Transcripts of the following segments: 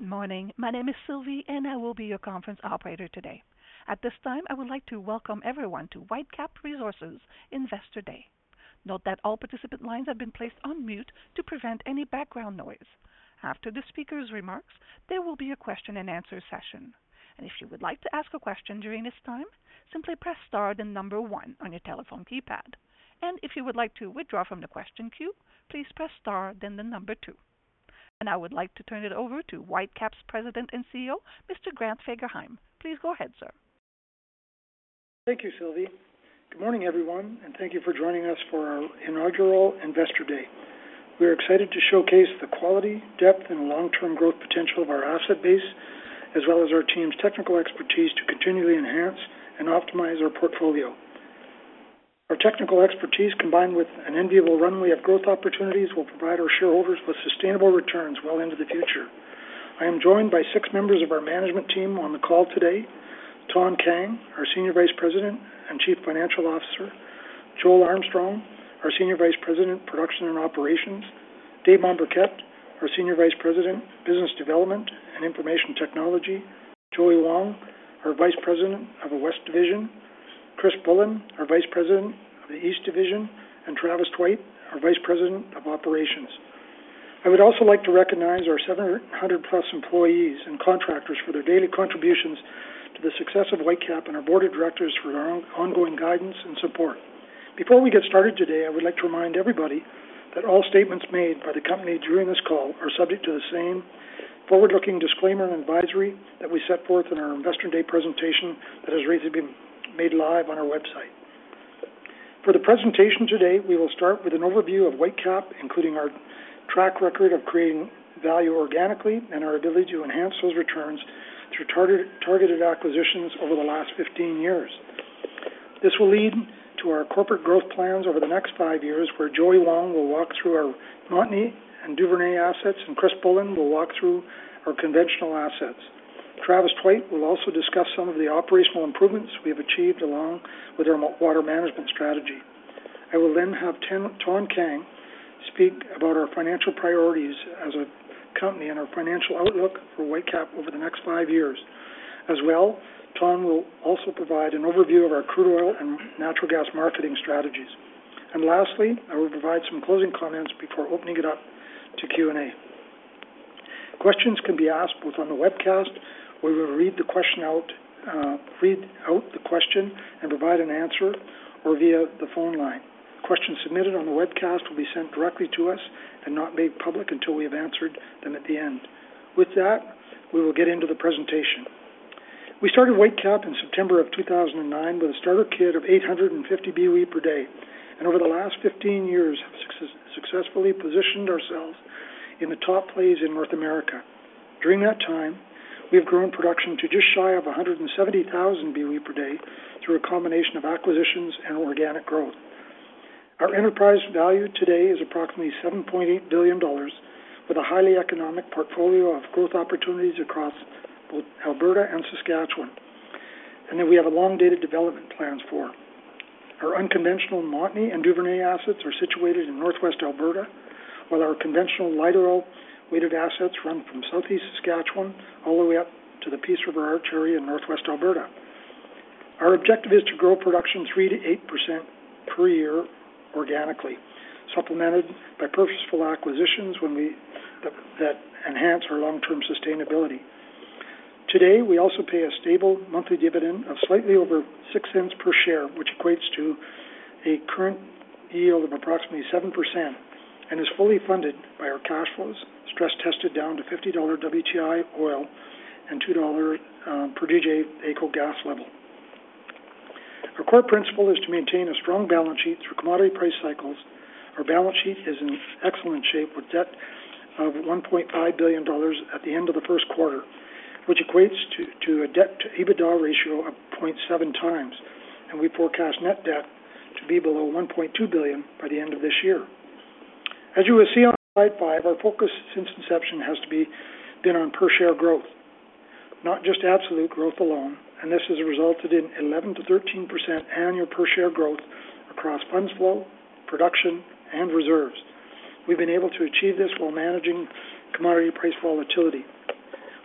Good morning. My name is Sylvie, and I will be your conference operator today. At this time, I would like to welcome everyone to Whitecap Resources Investor Day. Note that all participant lines have been placed on mute to prevent any background noise. After the speaker's remarks, there will be a question-and-answer session. If you would like to ask a question during this time, simply press star, then number one on your telephone keypad. If you would like to withdraw from the question queue, please press star, then the number two. I would like to turn it over to Whitecap's President and CEO, Mr. Grant Fagerheim. Please go ahead, sir. Thank you, Sylvie. Good morning, everyone, and thank you for joining us for our inaugural Investor Day. We are excited to showcase the quality, depth, and long-term growth potential of our asset base, as well as our team's technical expertise to continually enhance and optimize our portfolio. Our technical expertise, combined with an enviable runway of growth opportunities, will provide our shareholders with sustainable returns well into the future. I am joined by six members of our management team on the call today: Thanh Kang, our Senior Vice President and Chief Financial Officer, Joel Armstrong, our Senior Vice President, Production and Operations, Dave Mombourquette, our Senior Vice President, Business Development and Information Technology, Joey Wong, our Vice President of the West Division, Chris Bullin, our Vice President of the East Division, and Travis Tweit, our Vice President of Operations. I would also like to recognize our 700+ employees and contractors for their daily contributions to the success of Whitecap and our board of directors for their ongoing guidance and support. Before we get started today, I would like to remind everybody that all statements made by the company during this call are subject to the same forward-looking disclaimer and advisory that we set forth in our Investor Day presentation that has recently been made live on our website. For the presentation today, we will start with an overview of Whitecap, including our track record of creating value organically and our ability to enhance those returns through targeted acquisitions over the last 15 years. This will lead to our corporate growth plans over the next five years, where Joey Wong will walk through our Montney and Duvernay assets, and Chris Bullin will walk through our conventional assets. Travis Tweit will also discuss some of the operational improvements we have achieved along with our water management strategy. I will then have Thanh Kang speak about our financial priorities as a company and our financial outlook for Whitecap over the next five years. As well, Thanh Kang will also provide an overview of our crude oil and natural gas marketing strategies. Lastly, I will provide some closing comments before opening it up to Q&A. Questions can be asked both on the webcast, where we will read the question out, read out the question and provide an answer, or via the phone line. Questions submitted on the webcast will be sent directly to us and not made public until we have answered them at the end. With that, we will get into the presentation. We started Whitecap in September of 2009 with a starter kit of 850 BOE per day. Over the last 15 years, we have successfully positioned ourselves in the top plays in North America. During that time, we have grown production to just shy of 170,000 BOE per day through a combination of acquisitions and organic growth. Our enterprise value today is approximately 7.8 billion dollars, with a highly economic portfolio of growth opportunities across Alberta and Saskatchewan. And then we have long-dated development plans for. Our unconventional Montney and Duvernay assets are situated in northwest Alberta, while our conventional lighter-weighted assets run from southeast Saskatchewan all the way up to the Peace River Arch area in northwest Alberta. Our objective is to grow production 3%-8% per year organically, supplemented by purposeful acquisitions that enhance our long-term sustainability. Today, we also pay a stable monthly dividend of slightly over 0.06 per share, which equates to a current yield of approximately 7%, and is fully funded by our cash flows stress-tested down to $50 WTI oil and 2 dollars per GJ AECO gas level. Our core principle is to maintain a strong balance sheet through commodity price cycles. Our balance sheet is in excellent shape with debt of 1.5 billion dollars at the end of the first quarter, which equates to a debt-to-EBITDA ratio of 0.7x. We forecast net debt to be below 1.2 billion by the end of this year. As you will see on slide 5, our focus since inception has been on per-share growth, not just absolute growth alone. This has resulted in 11%-13% annual per-share growth across funds flow, production, and reserves. We've been able to achieve this while managing commodity price volatility.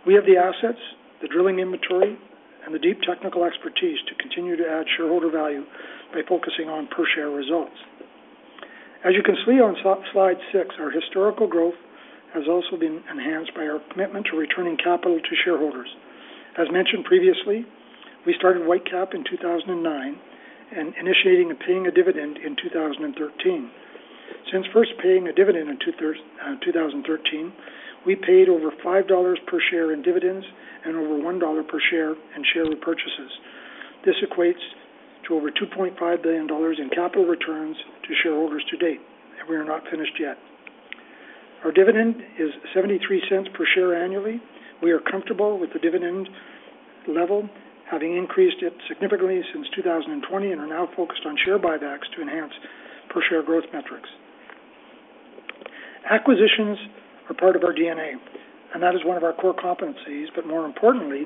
We have the assets, the drilling inventory, and the deep technical expertise to continue to add shareholder value by focusing on per-share results. As you can see on slide six, our historical growth has also been enhanced by our commitment to returning capital to shareholders. As mentioned previously, we started Whitecap in 2009 and initiated paying a dividend in 2013. Since first paying a dividend in 2013, we paid over 5 dollars per share in dividends and over 1 dollar per share in share repurchases. This equates to over 2.5 billion dollars in capital returns to shareholders to date. We are not finished yet. Our dividend is 0.73 per share annually. We are comfortable with the dividend level, having increased it significantly since 2020, and are now focused on share buybacks to enhance per-share growth metrics. Acquisitions are part of our DNA, and that is one of our core competencies. But more importantly,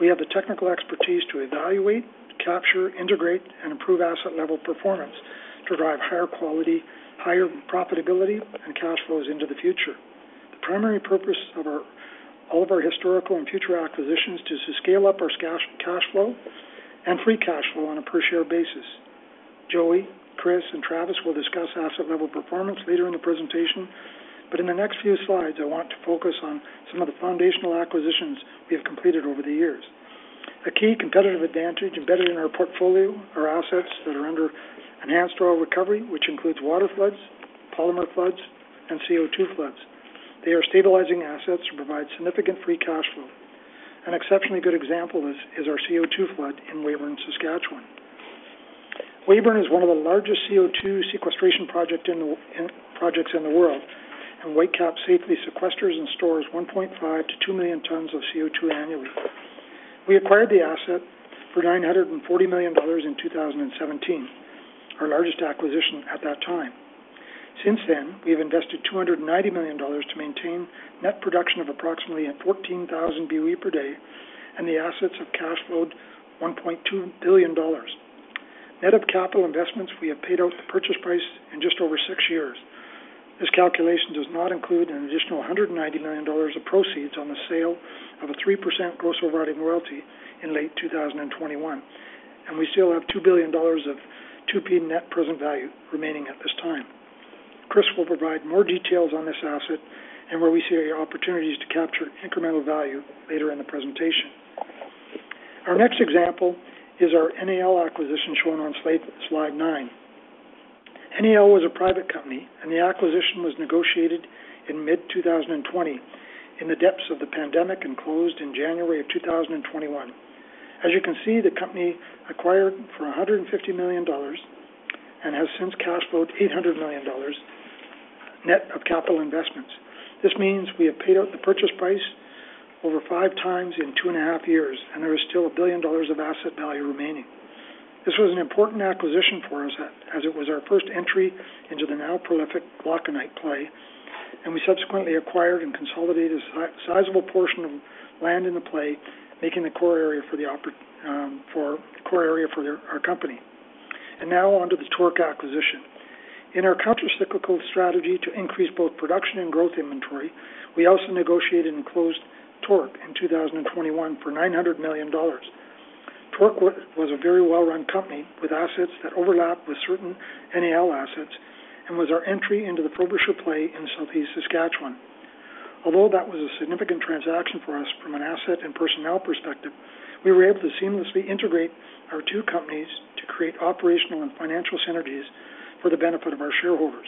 we have the technical expertise to evaluate, capture, integrate, and improve asset-level performance to drive higher quality, higher profitability, and cash flows into the future. The primary purpose of all of our historical and future acquisitions is to scale up our cash flow and free cash flow on a per-share basis. Joey, Chris, and Travis will discuss asset-level performance later in the presentation. But in the next few slides, I want to focus on some of the foundational acquisitions we have completed over the years. A key competitive advantage embedded in our portfolio are assets that are under enhanced oil recovery, which includes water floods, polymer floods, and CO2 floods. They are stabilizing assets to provide significant free cash flow. An exceptionally good example is our CO2 flood in Weyburn, Saskatchewan. Weyburn is one of the largest CO2 sequestration projects in the world, and Whitecap safely sequesters and stores 1.5-2 million tons of CO2 annually. We acquired the asset for 940 million dollars in 2017, our largest acquisition at that time. Since then, we have invested 290 million dollars to maintain net production of approximately 14,000 BOE per day and the assets of cash flowed 1.2 billion dollars. Net of capital investments, we have paid out the purchase price in just over six years. This calculation does not include an additional 190 million dollars of proceeds on the sale of a 3% gross overriding royalty in late 2021. We still have 2 billion dollars of 2P net present value remaining at this time. Chris will provide more details on this asset and where we see opportunities to capture incremental value later in the presentation. Our next example is our NAL acquisition shown on slide 9. NAL was a private company, and the acquisition was negotiated in mid-2020 in the depths of the pandemic and closed in January 2021. As you can see, the company acquired for 150 million dollars and has since cash flowed 800 million dollars net of capital investments. This means we have paid out the purchase price over 5 times in 2.5 years, and there is still 1 billion dollars of asset value remaining. This was an important acquisition for us as it was our first entry into the now prolific Lochend Play, and we subsequently acquired and consolidated a sizable portion of land in the play, making the core area for the core area for our company. Now onto the TORC acquisition. In our countercyclical strategy to increase both production and growth inventory, we also negotiated and closed TORC in 2021 for 900 million dollars. TORC was a very well-run company with assets that overlapped with certain NAL assets and was our entry into the Frobisher Play in southeast Saskatchewan. Although that was a significant transaction for us from an asset and personnel perspective, we were able to seamlessly integrate our two companies to create operational and financial synergies for the benefit of our shareholders.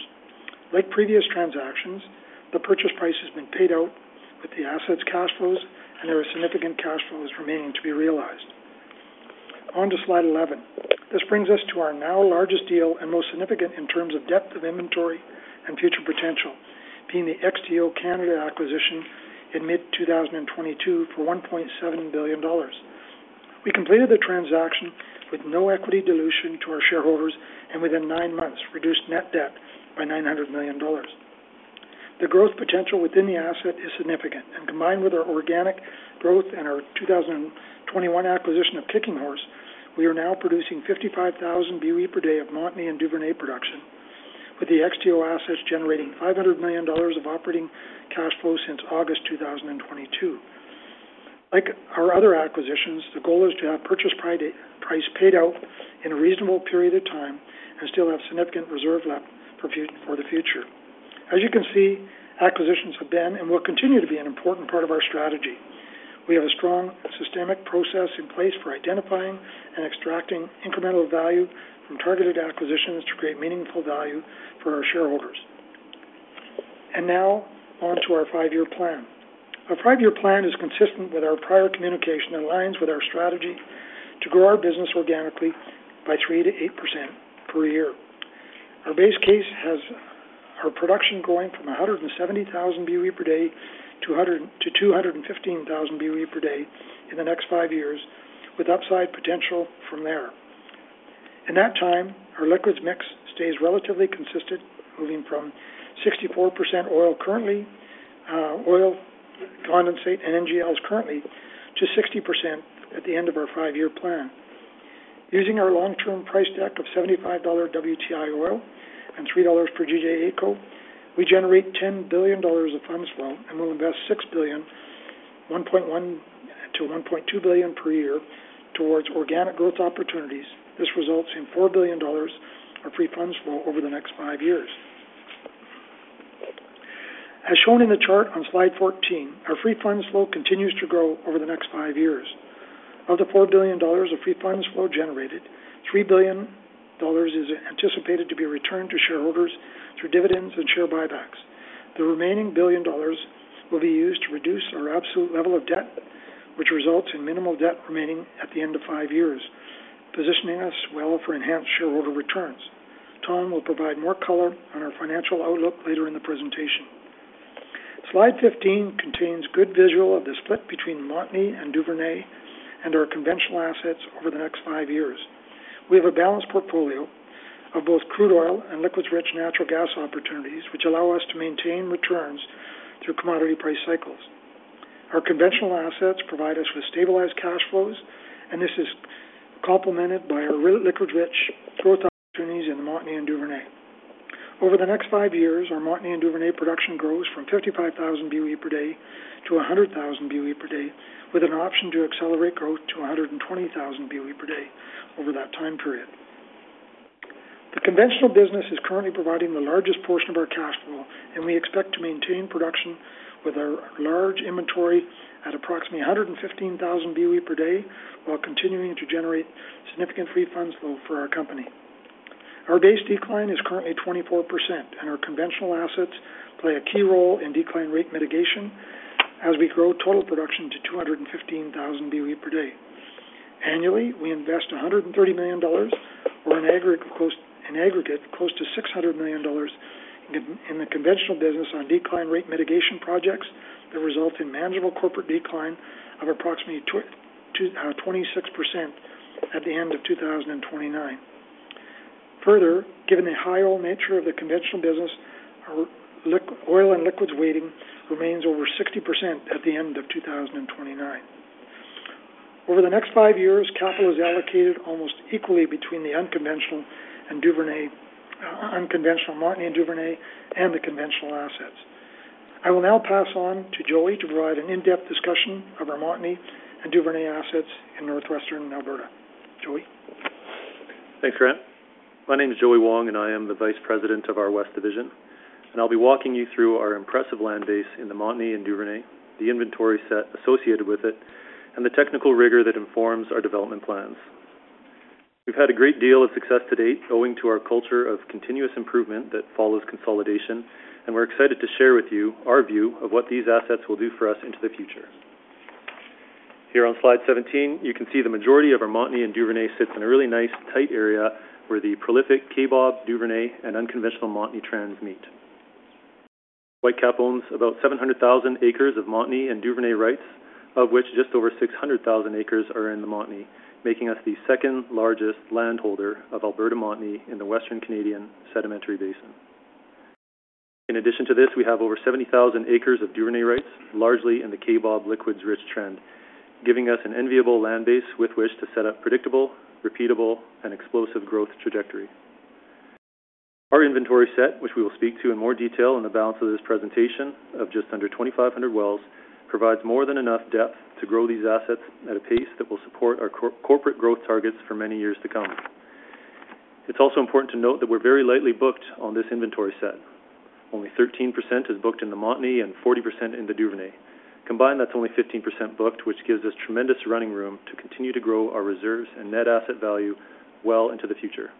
Like previous transactions, the purchase price has been paid out with the assets' cash flows, and there are significant cash flows remaining to be realized. On to slide 11. This brings us to our now largest deal and most significant in terms of depth of inventory and future potential, being the XTO Canada acquisition in mid-2022 for 1.7 billion dollars. We completed the transaction with no equity dilution to our shareholders, and within nine months, reduced net debt by $900 million. The growth potential within the asset is significant. And combined with our organic growth and our 2021 acquisition of Kicking Horse, we are now producing 55,000 BOE per day of Montney and Duvernay production, with the XTO assets generating $500 million of operating cash flow since August 2022. Like our other acquisitions, the goal is to have purchase price paid out in a reasonable period of time and still have significant reserve left for the future. As you can see, acquisitions have been and will continue to be an important part of our strategy. We have a strong systemic process in place for identifying and extracting incremental value from targeted acquisitions to create meaningful value for our shareholders. And now on to our five-year plan. Our five-year plan is consistent with our prior communication and aligns with our strategy to grow our business organically by 3%-8% per year. Our base case has our production going from 170,000 BOE per day to 215,000 BOE per day in the next five years, with upside potential from there. In that time, our liquids mix stays relatively consistent, moving from 64% oil condensate and NGLs currently to 60% at the end of our five-year plan. Using our long-term price deck of $75 WTI oil and $3 per GJ AECO, we generate 10 billion dollars of funds flow and will invest 6 billion, 1.1 billion-1.2 billion per year towards organic growth opportunities. This results in 4 billion dollars of free funds flow over the next five years. As shown in the chart on slide 14, our free funds flow continues to grow over the next five years. Of the 4 billion dollars of free funds flow generated, 3 billion dollars is anticipated to be returned to shareholders through dividends and share buybacks. The remaining billion dollars will be used to reduce our absolute level of debt, which results in minimal debt remaining at the end of five years, positioning us well for enhanced shareholder returns. Thanh will provide more color on our financial outlook later in the presentation. Slide 15 contains good visual of the split between Montney and Duvernay and our conventional assets over the next five years. We have a balanced portfolio of both crude oil and liquids-rich natural gas opportunities, which allow us to maintain returns through commodity price cycles. Our conventional assets provide us with stabilized cash flows, and this is complemented by our liquids-rich growth opportunities in Montney and Duvernay. Over the next five years, our Montney and Duvernay production grows from 55,000-100,000 BOE per day, with an option to accelerate growth to 120,000 BOE per day over that time period. The conventional business is currently providing the largest portion of our cash flow, and we expect to maintain production with our large inventory at approximately 115,000 BOE per day while continuing to generate significant free funds flow for our company. Our base decline is currently 24%, and our conventional assets play a key role in decline rate mitigation as we grow total production to 215,000 BOE per day. Annually, we invest 130 million dollars, or in aggregate, close to 600 million dollars in the conventional business on decline rate mitigation projects that result in manageable corporate decline of approximately 26% at the end of 2029. Further, given the high oil nature of the conventional business, oil and liquids weighting remains over 60% at the end of 2029. Over the next five years, capital is allocated almost equally between the unconventional Montney and Duvernay and the conventional assets. I will now pass on to Joey to provide an in-depth discussion of our Montney and Duvernay assets in northwestern Alberta. Joey. Thanks, Grant. My name is Joey Wong, and I am the vice president of our West Division. I'll be walking you through our impressive land base in the Montney and Duvernay, the inventory set associated with it, and the technical rigor that informs our development plans. We've had a great deal of success to date owing to our culture of continuous improvement that follows consolidation, and we're excited to share with you our view of what these assets will do for us into the future. Here on slide 17, you can see the majority of our Montney and Duvernay sits in a really nice tight area where the prolific Kaybob, Duvernay, and unconventional Montney trends meet. Whitecap owns about 700,000 acres of Montney and Duvernay rights, of which just over 600,000 acres are in the Montney, making us the second largest landholder of Alberta Montney in the Western Canadian Sedimentary Basin. In addition to this, we have over 70,000 acres of Duvernay rights, largely in the Kaybob liquids-rich trend, giving us an enviable land base with which to set up predictable, repeatable, and explosive growth trajectory. Our inventory set, which we will speak to in more detail in the balance of this presentation, of just under 2,500 wells, provides more than enough depth to grow these assets at a pace that will support our corporate growth targets for many years to come. It's also important to note that we're very lightly booked on this inventory set. Only 13% is booked in the Montney and 40% in the Duvernay. Combined, that's only 15% booked, which gives us tremendous running room to continue to grow our reserves and net asset value well into the future.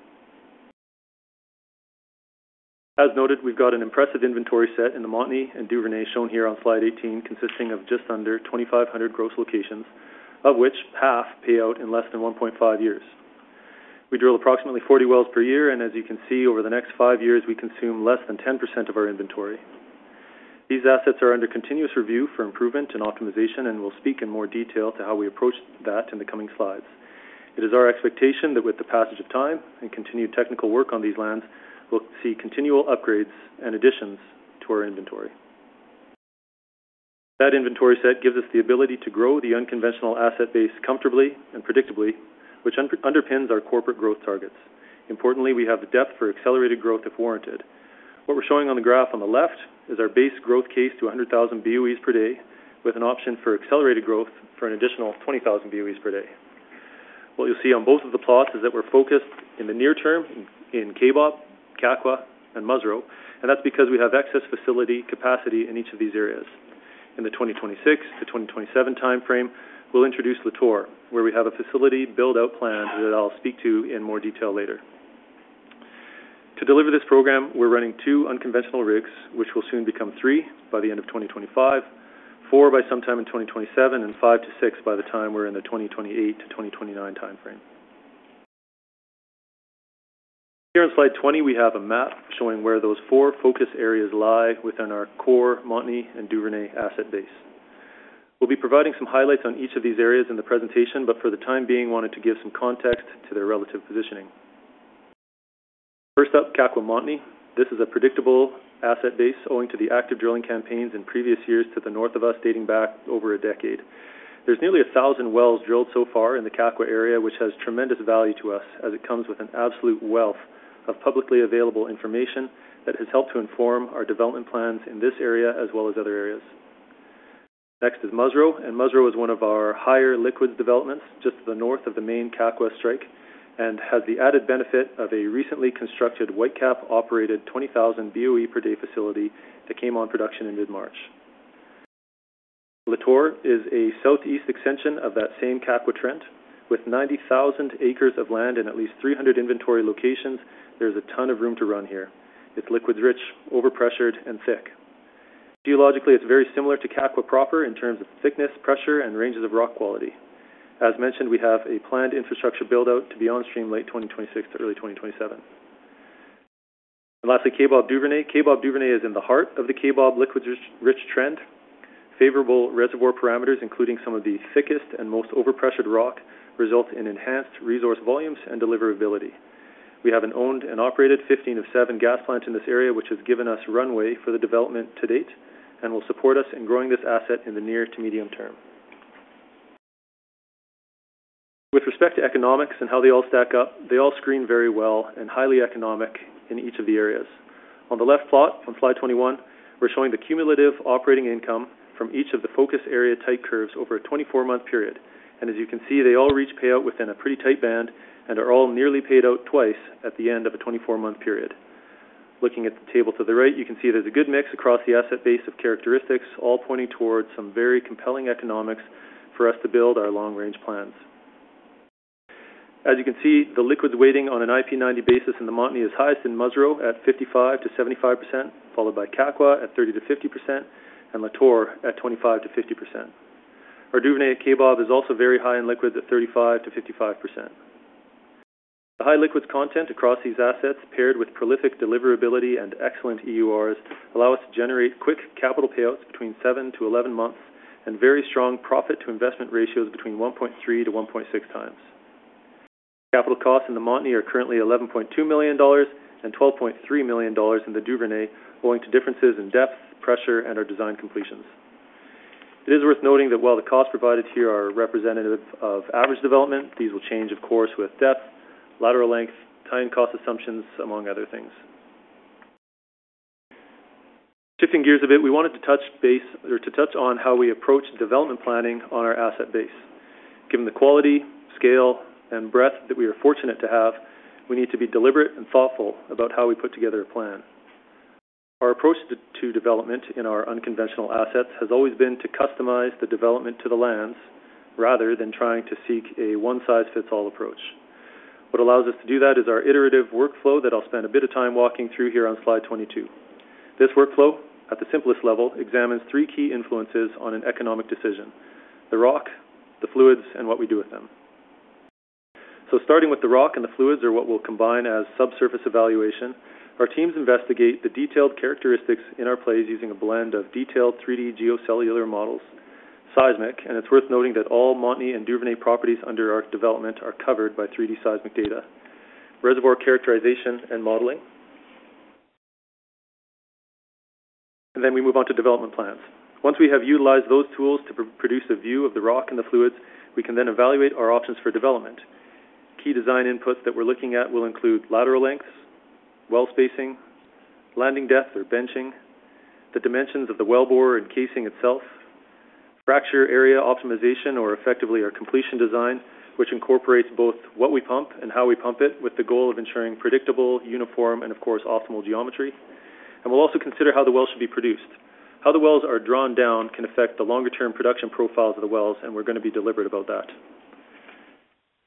As noted, we've got an impressive inventory set in the Montney and Duvernay shown here on slide 18, consisting of just under 2,500 gross locations, of which half pay out in less than 1.5 years. We drill approximately 40 wells per year, and as you can see, over the next 5 years, we consume less than 10% of our inventory. These assets are under continuous review for improvement and optimization, and we'll speak in more detail to how we approach that in the coming slides. It is our expectation that with the passage of time and continued technical work on these lands, we'll see continual upgrades and additions to our inventory. That inventory set gives us the ability to grow the unconventional asset base comfortably and predictably, which underpins our corporate growth targets. Importantly, we have the depth for accelerated growth if warranted. What we're showing on the graph on the left is our base growth case to 100,000 BOEs per day, with an option for accelerated growth for an additional 20,000 BOEs per day. What you'll see on both of the plots is that we're focused in the near term in Kaybob, Kakwa, and Musreau, and that's because we have excess facility capacity in each of these areas. In the 2026 to 2027 timeframe, we'll Latour, where we have a facility build-out plan that I'll speak to in more detail later. To deliver this program, we're running 2 unconventional rigs, which will soon become 3 by the end of 2025, 4 by sometime in 2027, and 5-6 by the time we're in the 2028-2029 timeframe. Here on slide 20, we have a map showing where those four focus areas lie within our core Montney and Duvernay asset base. We'll be providing some highlights on each of these areas in the presentation, but for the time being, I wanted to give some context to their relative positioning. First up, Kakwa Montney. This is a predictable asset base owing to the active drilling campaigns in previous years to the north of us dating back over a decade. There's nearly 1,000 wells drilled so far in the Kakwa area, which has tremendous value to us as it comes with an absolute wealth of publicly available information that has helped to inform our development plans in this area as well as other areas. Next is Musreau, and Musreau is one of our higher liquids developments just to the north of the main Kakwa strike and has the added benefit of a recently constructed Whitecap operated 20,000 BOE per day facility that came on production in Latour is a southeast extension of that same Kakwa trend. With 90,000 acres of land and at least 300 inventory locations, there's a ton of room to run here. It's liquids-rich, overpressured, and thick. Geologically, it's very similar to Kakwa proper in terms of thickness, pressure, and ranges of rock quality. As mentioned, we have a planned infrastructure build-out to be on stream late 2026 to early 2027. Lastly, Kaybob Duvernay. Kaybob Duvernay is in the heart of the Kaybob liquids-rich trend. Favorable reservoir parameters, including some of the thickest and most overpressured rock, result in enhanced resource volumes and deliverability. We have an owned and operated 15 MMcf/d gas plant in this area, which has given us runway for the development to date and will support us in growing this asset in the near to medium term. With respect to economics and how they all stack up, they all screen very well and highly economic in each of the areas. On the left plot on slide 21, we're showing the cumulative operating income from each of the focus area type curves over a 24-month period. As you can see, they all reach payout within a pretty tight band and are all nearly paid out twice at the end of a 24-month period. Looking at the table to the right, you can see there's a good mix across the asset base of characteristics, all pointing towards some very compelling economics for us to build our long-range plans. As you can see, the liquids weighting on an IP90 basis in the Montney is highest in Musreau at 55%-75%, followed by Kakwa at 30%-50%, Latour at 25%-50%. Our Duvernay at Kaybob is also very high in liquids at 35%-55%. The high liquids content across these assets, paired with prolific deliverability and excellent EURs, allow us to generate quick capital payouts between 7-11 months and very strong profit-to-investment ratios between 1.3-1.6 times. Capital costs in the Montney are currently 11.2 million dollars and 12.3 million dollars in the Duvernay, owing to differences in depth, pressure, and our design completions. It is worth noting that while the costs provided here are representative of average development, these will change, of course, with depth, lateral length, time cost assumptions, among other things. Shifting gears a bit, we wanted to touch base or to touch on how we approach development planning on our asset base. Given the quality, scale, and breadth that we are fortunate to have, we need to be deliberate and thoughtful about how we put together a plan. Our approach to development in our unconventional assets has always been to customize the development to the lands rather than trying to seek a one-size-fits-all approach. What allows us to do that is our iterative workflow that I'll spend a bit of time walking through here on slide 22. This workflow, at the simplest level, examines three key influences on an economic decision: the rock, the fluids, and what we do with them. So starting with the rock and the fluids, or what we'll combine as subsurface evaluation, our teams investigate the detailed characteristics in our plays using a blend of detailed 3D geocellular models, seismic, and it's worth noting that all Montney and Duvernay properties under our development are covered by 3D seismic data, reservoir characterization, and modeling. And then we move on to development plans. Once we have utilized those tools to produce a view of the rock and the fluids, we can then evaluate our options for development. Key design inputs that we're looking at will include lateral lengths, well spacing, landing depth or benching, the dimensions of the well bore and casing itself, fracture area optimization, or effectively our completion design, which incorporates both what we pump and how we pump it with the goal of ensuring predictable, uniform, and of course, optimal geometry. We'll also consider how the wells should be produced. How the wells are drawn down can affect the longer-term production profiles of the wells, and we're going to be deliberate about that.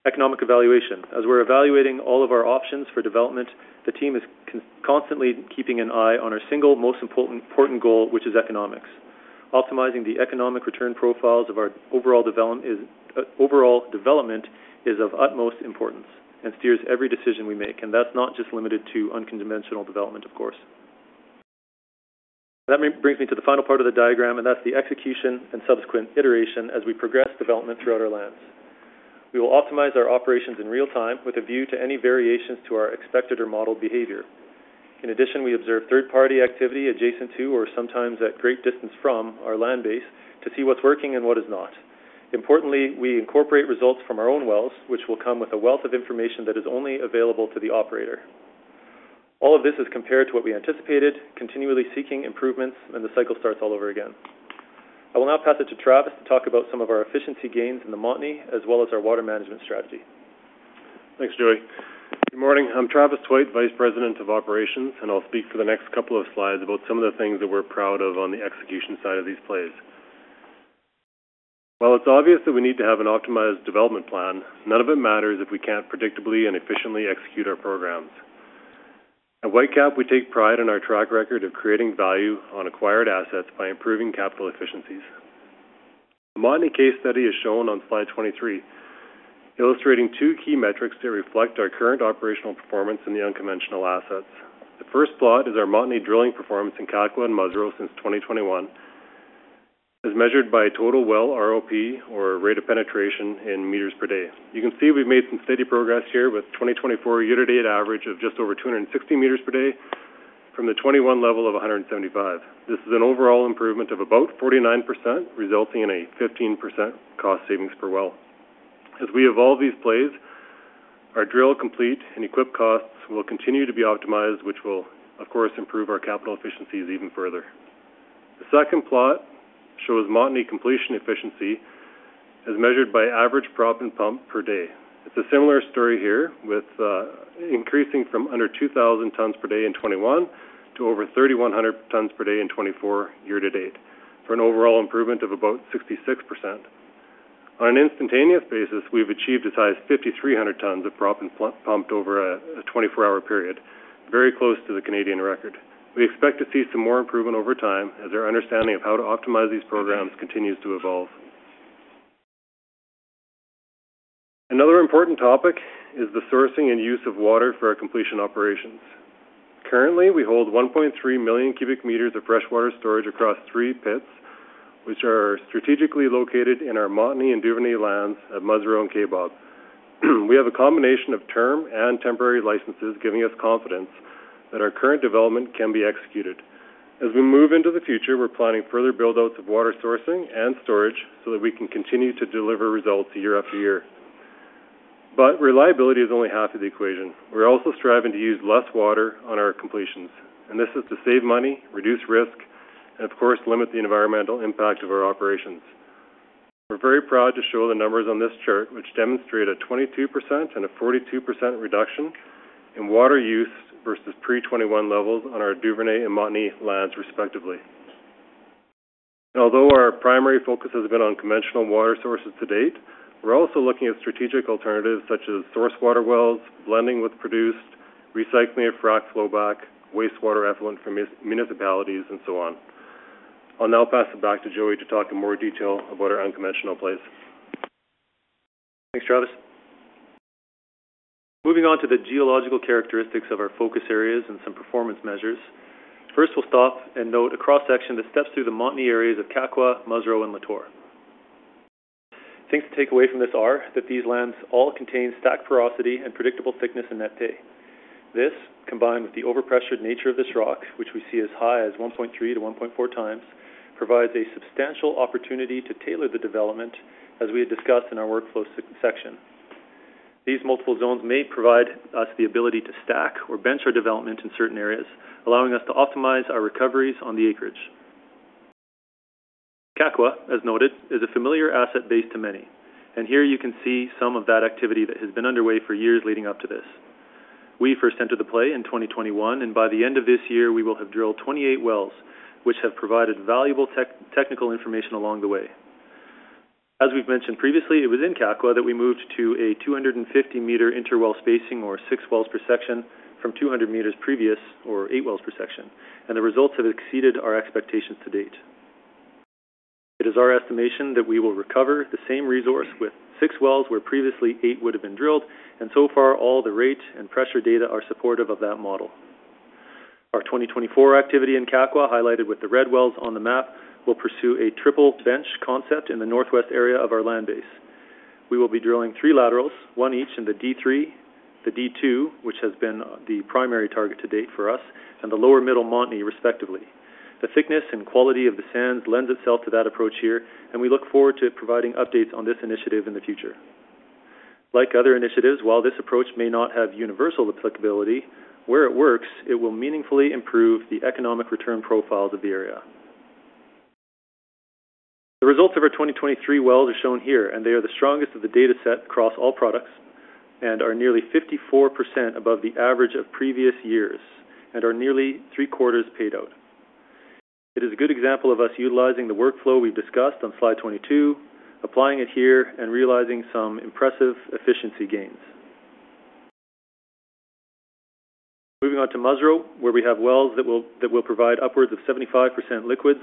Economic evaluation. As we're evaluating all of our options for development, the team is constantly keeping an eye on our single most important goal, which is economics. Optimizing the economic return profiles of our overall development is of utmost importance and steers every decision we make. That's not just limited to unconventional development, of course. That brings me to the final part of the diagram, and that's the execution and subsequent iteration as we progress development throughout our lands. We will optimize our operations in real time with a view to any variations to our expected or modeled behavior. In addition, we observe third-party activity adjacent to or sometimes at great distance from our land base to see what's working and what is not. Importantly, we incorporate results from our own wells, which will come with a wealth of information that is only available to the operator. All of this is compared to what we anticipated, continually seeking improvements, and the cycle starts all over again. I will now pass it to Travis to talk about some of our efficiency gains in the Montney as well as our water management strategy. Thanks, Joey. Good morning. I'm Travis Tweit, Vice President of Operations, and I'll speak for the next couple of slides about some of the things that we're proud of on the execution side of these plays. While it's obvious that we need to have an optimized development plan, none of it matters if we can't predictably and efficiently execute our programs. At Whitecap, we take pride in our track record of creating value on acquired assets by improving capital efficiencies. The Montney case study is shown on slide 23, illustrating two key metrics that reflect our current operational performance in the unconventional assets. The first plot is our Montney drilling performance in Kakwa and Musreau since 2021, as measured by total well ROP, or rate of penetration in meters per day. You can see we've made some steady progress here with 2024 year-to-date average of just over 260 meters per day from the 2021 level of 175. This is an overall improvement of about 49%, resulting in a 15% cost savings per well. As we evolve these plays, our drill complete and equip costs will continue to be optimized, which will, of course, improve our capital efficiencies even further. The second plot shows Montney completion efficiency as measured by average proppant pumped per day. It's a similar story here, with increasing from under 2,000 tons per day in 2021 to over 3,100 tons per day in 2024 year-to-date for an overall improvement of about 66%. On an instantaneous basis, we've achieved as high as 5,300 tons of proppant pumped over a 24-hour period, very close to the Canadian record. We expect to see some more improvement over time as our understanding of how to optimize these programs continues to evolve. Another important topic is the sourcing and use of water for our completion operations. Currently, we hold 1.3 million cubic meters of freshwater storage across three pits, which are strategically located in our Montney and Duvernay lands at Musreau and Kaybob. We have a combination of term and temporary licenses giving us confidence that our current development can be executed. As we move into the future, we're planning further build-outs of water sourcing and storage so that we can continue to deliver results year after year. But reliability is only half of the equation. We're also striving to use less water on our completions, and this is to save money, reduce risk, and of course, limit the environmental impact of our operations. We're very proud to show the numbers on this chart, which demonstrate a 22% and a 42% reduction in water use versus pre-2021 levels on our Duvernay and Montney lands, respectively. Although our primary focus has been on conventional water sources to date, we're also looking at strategic alternatives such as source water wells, blending with produced, recycling of frac flowback, wastewater effluent from municipalities, and so on. I'll now pass it back to Joey to talk in more detail about our unconventional plays. Thanks, Travis. Moving on to the geological characteristics of our focus areas and some performance measures. First, we'll stop and note a cross-section that steps through the Montney areas of Kakwa, Musreau, Latour. Things to take away from this are that these lands all contain stack porosity and predictable thickness in net pay. This, combined with the overpressured nature of this rock, which we see as high as 1.3-1.4 times, provides a substantial opportunity to tailor the development, as we had discussed in our workflow section. These multiple zones may provide us the ability to stack or bench our development in certain areas, allowing us to optimize our recoveries on the acreage. Kakwa, as noted, is a familiar asset base to many, and here you can see some of that activity that has been underway for years leading up to this. We first entered the play in 2021, and by the end of this year, we will have drilled 28 wells, which have provided valuable technical information along the way. As we've mentioned previously, it was in Kakwa that we moved to a 250-meter interwell spacing, or 6 wells per section, from 200 meters previous, or 8 wells per section, and the results have exceeded our expectations to date. It is our estimation that we will recover the same resource with 6 wells where previously 8 would have been drilled, and so far, all the rate and pressure data are supportive of that model. Our 2024 activity in Kakwa, highlighted with the red wells on the map, will pursue a triple bench concept in the northwest area of our land base. We will be drilling 3 laterals, one each in the D3, the D2, which has been the primary target to date for us, and the Lower Middle Montney, respectively. The thickness and quality of the sands lends itself to that approach here, and we look forward to providing updates on this initiative in the future. Like other initiatives, while this approach may not have universal applicability, where it works, it will meaningfully improve the economic return profiles of the area. The results of our 2023 wells are shown here, and they are the strongest of the data set across all products and are nearly 54% above the average of previous years and are nearly three-quarters paid out. It is a good example of us utilizing the workflow we've discussed on slide 22, applying it here, and realizing some impressive efficiency gains. Moving on to Musreau, where we have wells that will provide upwards of 75% liquids,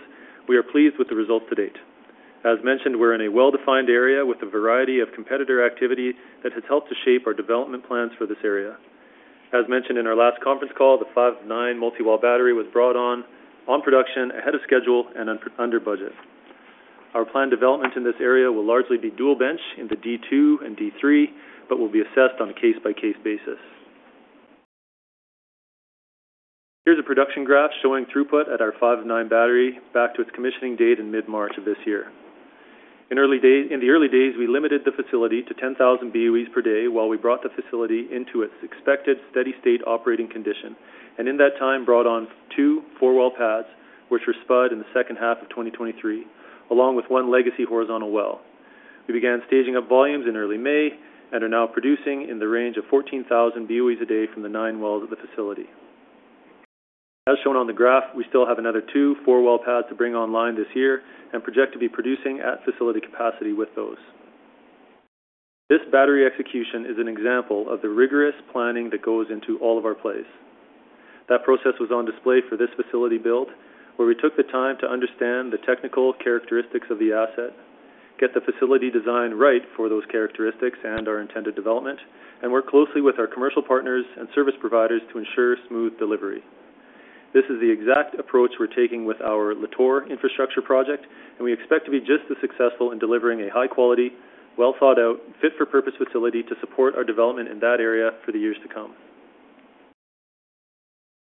we are pleased with the results to date. As mentioned, we're in a well-defined area with a variety of competitor activity that has helped to shape our development plans for this area. As mentioned in our last conference call, the 5-9 multi-well battery was brought on production, ahead of schedule, and under budget. Our planned development in this area will largely be dual bench in the D2 and D3, but will be assessed on a case-by-case basis. Here's a production graph showing throughput at our 5-9 battery back to its commissioning date in mid-March of this year. In the early days, we limited the facility to 10,000 BOEs per day while we brought the facility into its expected steady-state operating condition, and in that time, brought on two four-well pads, which were spud in the second half of 2023, along with one legacy horizontal well. We began staging up volumes in early May and are now producing in the range of 14,000 BOEs a day from the nine wells at the facility. As shown on the graph, we still have another two four-well pads to bring online this year and project to be producing at facility capacity with those. This battery execution is an example of the rigorous planning that goes into all of our plays. That process was on display for this facility build, where we took the time to understand the technical characteristics of the asset, get the facility design right for those characteristics and our intended development, and work closely with our commercial partners and service providers to ensure smooth delivery. This is the exact approach we're taking with Latour infrastructure project, and we expect to be just as successful in delivering a high-quality, well-thought-out, fit-for-purpose facility to support our development in that area for the years to come.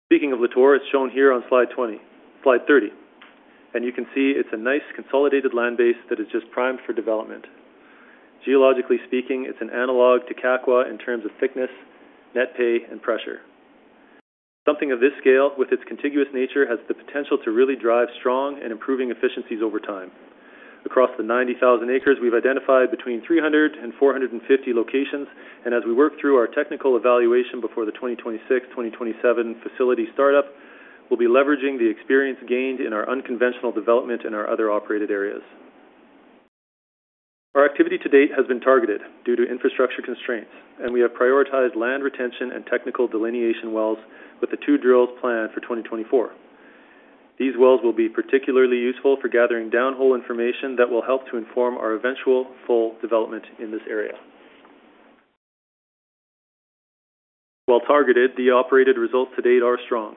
Speaking Latour, it's shown here on slide 20, slide 30, and you can see it's a nice consolidated land base that is just primed for development. Geologically speaking, it's an analog to Kakwa in terms of thickness, net pay, and pressure. Something of this scale, with its contiguous nature, has the potential to really drive strong and improving efficiencies over time. Across the 90,000 acres, we've identified between 300 and 450 locations, and as we work through our technical evaluation before the 2026-2027 facility startup, we'll be leveraging the experience gained in our unconventional development and our other operated areas. Our activity to date has been targeted due to infrastructure constraints, and we have prioritized land retention and technical delineation wells with the two drills planned for 2024. These wells will be particularly useful for gathering down-hole information that will help to inform our eventual full development in this area. While targeted, the operated results to date are strong.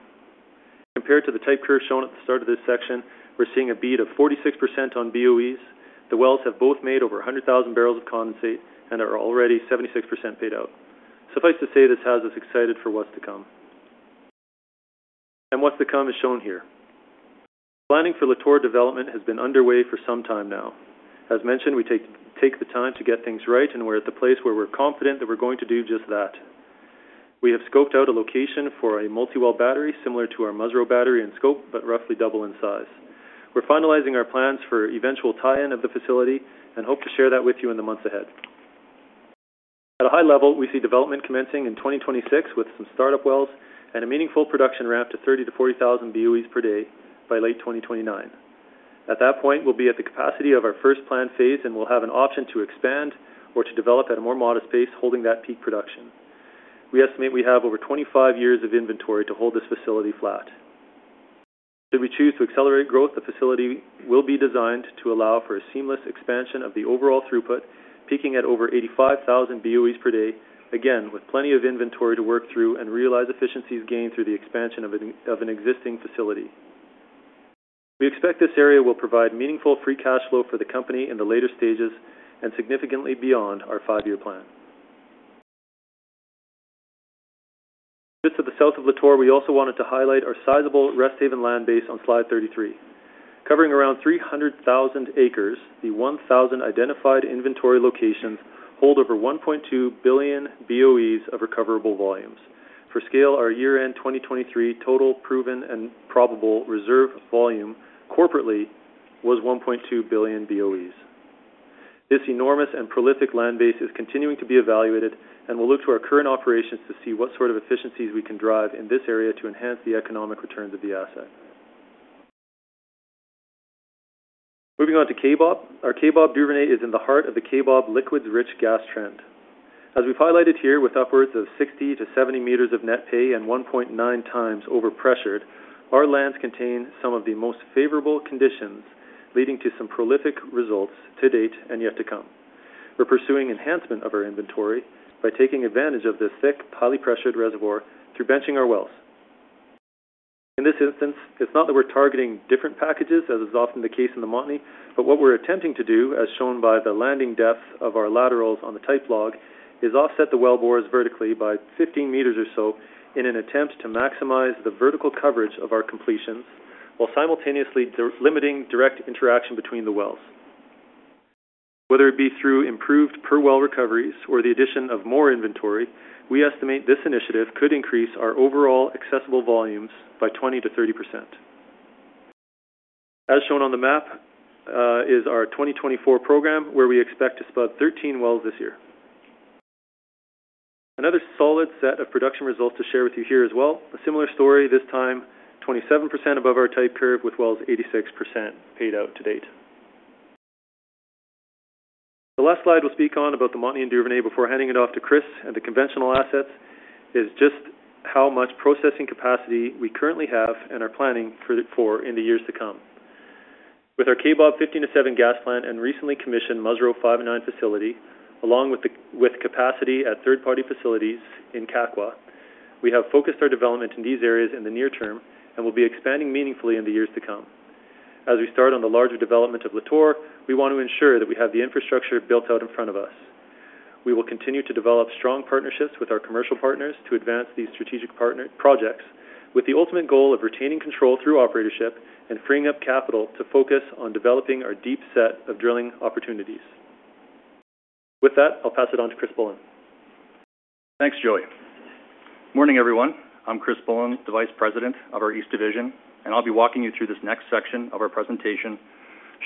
Compared to the type curve shown at the start of this section, we're seeing a beat of 46% on BOEs. The wells have both made over 100,000 barrels of condensate, and they are already 76% paid out. Suffice to say, this has us excited for what's to come. What's to come is shown here. Planning Latour development has been underway for some time now. As mentioned, we take the time to get things right, and we're at the place where we're confident that we're going to do just that. We have scoped out a location for a multi-well battery similar to our Musreau battery in scope, but roughly double in size. We're finalizing our plans for eventual tie-in of the facility and hope to share that with you in the months ahead. At a high level, we see development commencing in 2026 with some startup wells and a meaningful production ramp to 30,000-40,000 BOEs per day by late 2029. At that point, we'll be at the capacity of our first planned phase, and we'll have an option to expand or to develop at a more modest pace, holding that peak production. We estimate we have over 25 years of inventory to hold this facility flat. Should we choose to accelerate growth, the facility will be designed to allow for a seamless expansion of the overall throughput, peaking at over 85,000 BOEs per day, again with plenty of inventory to work through and realize efficiencies gained through the expansion of an existing facility. We expect this area will provide meaningful free cash flow for the company in the later stages and significantly beyond our five-year plan. Just to the south Latour, we also wanted to highlight our sizable Resthaven land base on slide 33. Covering around 300,000 acres, the 1,000 identified inventory locations hold over 1.2 billion BOEs of recoverable volumes. For scale, our year-end 2023 total proven and probable reserve volume corporately was 1.2 billion BOEs. This enormous and prolific land base is continuing to be evaluated, and we'll look to our current operations to see what sort of efficiencies we can drive in this area to enhance the economic returns of the asset. Moving on to Kaybob, our Kaybob Duvernay is in the heart of the Kaybob liquids-rich gas trend. As we've highlighted here, with upwards of 60-70 meters of net pay and 1.9x overpressured, our lands contain some of the most favorable conditions leading to some prolific results to date and yet to come. We're pursuing enhancement of our inventory by taking advantage of this thick, overpressured reservoir through benching our wells. In this instance, it's not that we're targeting different packages, as is often the case in the Montney, but what we're attempting to do, as shown by the landing depth of our laterals on the type log, is offset the well bores vertically by 15 meters or so in an attempt to maximize the vertical coverage of our completions while simultaneously limiting direct interaction between the wells. Whether it be through improved per-well recoveries or the addition of more inventory, we estimate this initiative could increase our overall accessible volumes by 20%-30%. As shown on the map, is our 2024 program, where we expect to spud 13 wells this year. Another solid set of production results to share with you here as well. A similar story this time, 27% above our type curve with wells 86% paid out to date. The last slide we'll speak on about the Montney and Duvernay before handing it off to Chris and the conventional assets is just how much processing capacity we currently have and are planning for in the years to come. With our Kakwa 15-7 gas plant and recently commissioned Musreau 5-9 facility, along with capacity at third-party facilities in Kakwa, we have focused our development in these areas in the near term and will be expanding meaningfully in the years to come. As we start on the larger development Latour, we want to ensure that we have the infrastructure built out in front of us. We will continue to develop strong partnerships with our commercial partners to advance these strategic projects with the ultimate goal of retaining control through operatorship and freeing up capital to focus on developing our deep set of drilling opportunities. With that, I'll pass it on to Chris Bullin. Thanks, Joey. Morning, everyone. I'm Chris Bullin, the Vice President of our East Division, and I'll be walking you through this next section of our presentation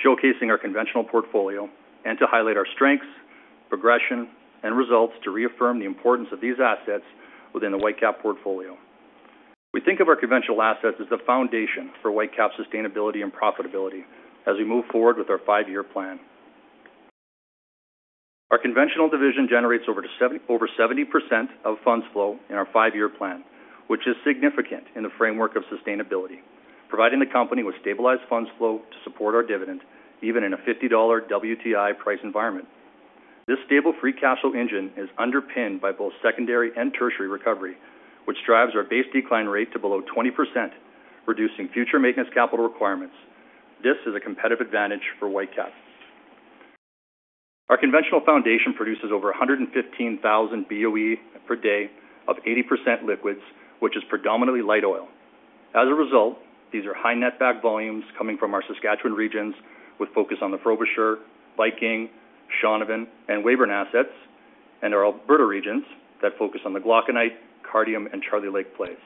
showcasing our conventional portfolio and to highlight our strengths, progression, and results to reaffirm the importance of these assets within the Whitecap portfolio. We think of our conventional assets as the foundation for Whitecap sustainability and profitability as we move forward with our five-year plan. Our conventional division generates over 70% of funds flow in our five-year plan, which is significant in the framework of sustainability, providing the company with stabilized funds flow to support our dividend even in a $50 WTI price environment. This stable free cash flow engine is underpinned by both secondary and tertiary recovery, which drives our base decline rate to below 20%, reducing future maintenance capital requirements. This is a competitive advantage for Whitecap. Our conventional foundation produces over 115,000 BOE per day of 80% liquids, which is predominantly light oil. As a result, these are high netback volumes coming from our Saskatchewan regions with focus on the Frobisher, Viking, Shaunavon, and Weyburn assets, and our Alberta regions that focus on the Glauconite, Cardium, and Charlie Lake plays.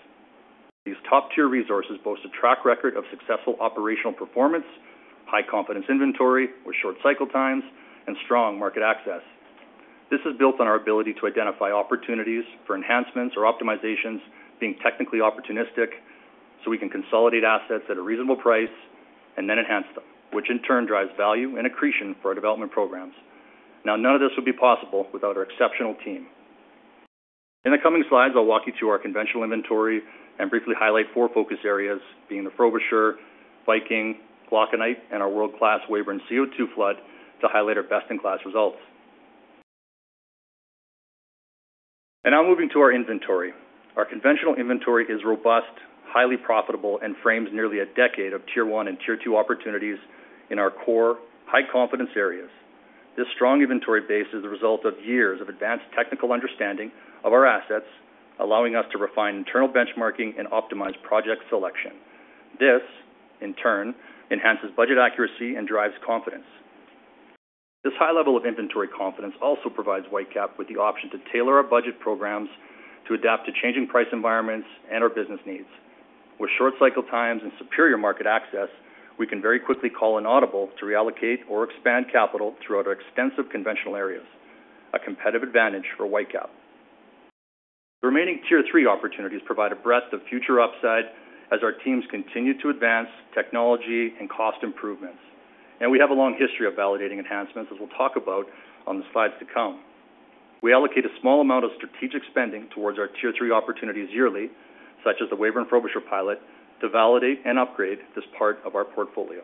These top-tier resources boast a track record of successful operational performance, high confidence inventory with short cycle times, and strong market access. This is built on our ability to identify opportunities for enhancements or optimizations being technically opportunistic so we can consolidate assets at a reasonable price and then enhance them, which in turn drives value and accretion for our development programs. Now, none of this would be possible without our exceptional team. In the coming slides, I'll walk you through our conventional inventory and briefly highlight four focus areas being the Frobisher, Viking, Glauconite, and our world-class Weyburn CO2 flood to highlight our best-in-class results. Now moving to our inventory. Our conventional inventory is robust, highly profitable, and frames nearly a decade of tier one and tier two opportunities in our core high confidence areas. This strong inventory base is the result of years of advanced technical understanding of our assets, allowing us to refine internal benchmarking and optimize project selection. This, in turn, enhances budget accuracy and drives confidence. This high level of inventory confidence also provides Whitecap with the option to tailor our budget programs to adapt to changing price environments and our business needs. With short cycle times and superior market access, we can very quickly call in audible to reallocate or expand capital throughout our extensive conventional areas, a competitive advantage for Whitecap. The remaining tier three opportunities provide a breadth of future upside as our teams continue to advance technology and cost improvements. We have a long history of validating enhancements, as we'll talk about on the slides to come. We allocate a small amount of strategic spending towards our tier three opportunities yearly, such as the Weyburn Frobisher pilot, to validate and upgrade this part of our portfolio.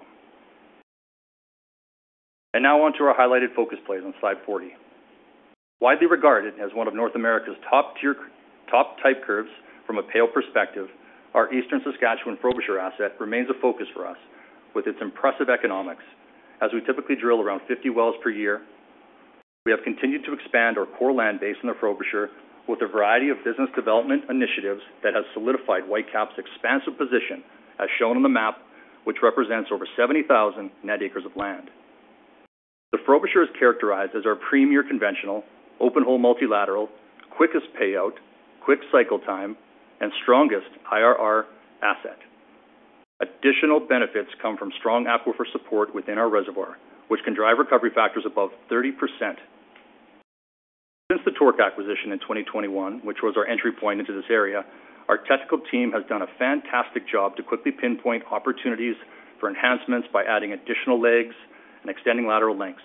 Now on to our highlighted focus plays on slide 40. Widely regarded as one of North America's top tier type curves from a P&L perspective, our Eastern Saskatchewan Frobisher asset remains a focus for us with its impressive economics. As we typically drill around 50 wells per year, we have continued to expand our core land base in the Frobisher with a variety of business development initiatives that have solidified Whitecap's expansive position, as shown on the map, which represents over 70,000 net acres of land. The Frobisher is characterized as our premier conventional, open-hole multilateral, quickest payout, quick cycle time, and strongest IRR asset. Additional benefits come from strong Aquifer support within our reservoir, which can drive recovery factors above 30%. Since the TORC acquisition in 2021, which was our entry point into this area, our technical team has done a fantastic job to quickly pinpoint opportunities for enhancements by adding additional legs and extending lateral lengths.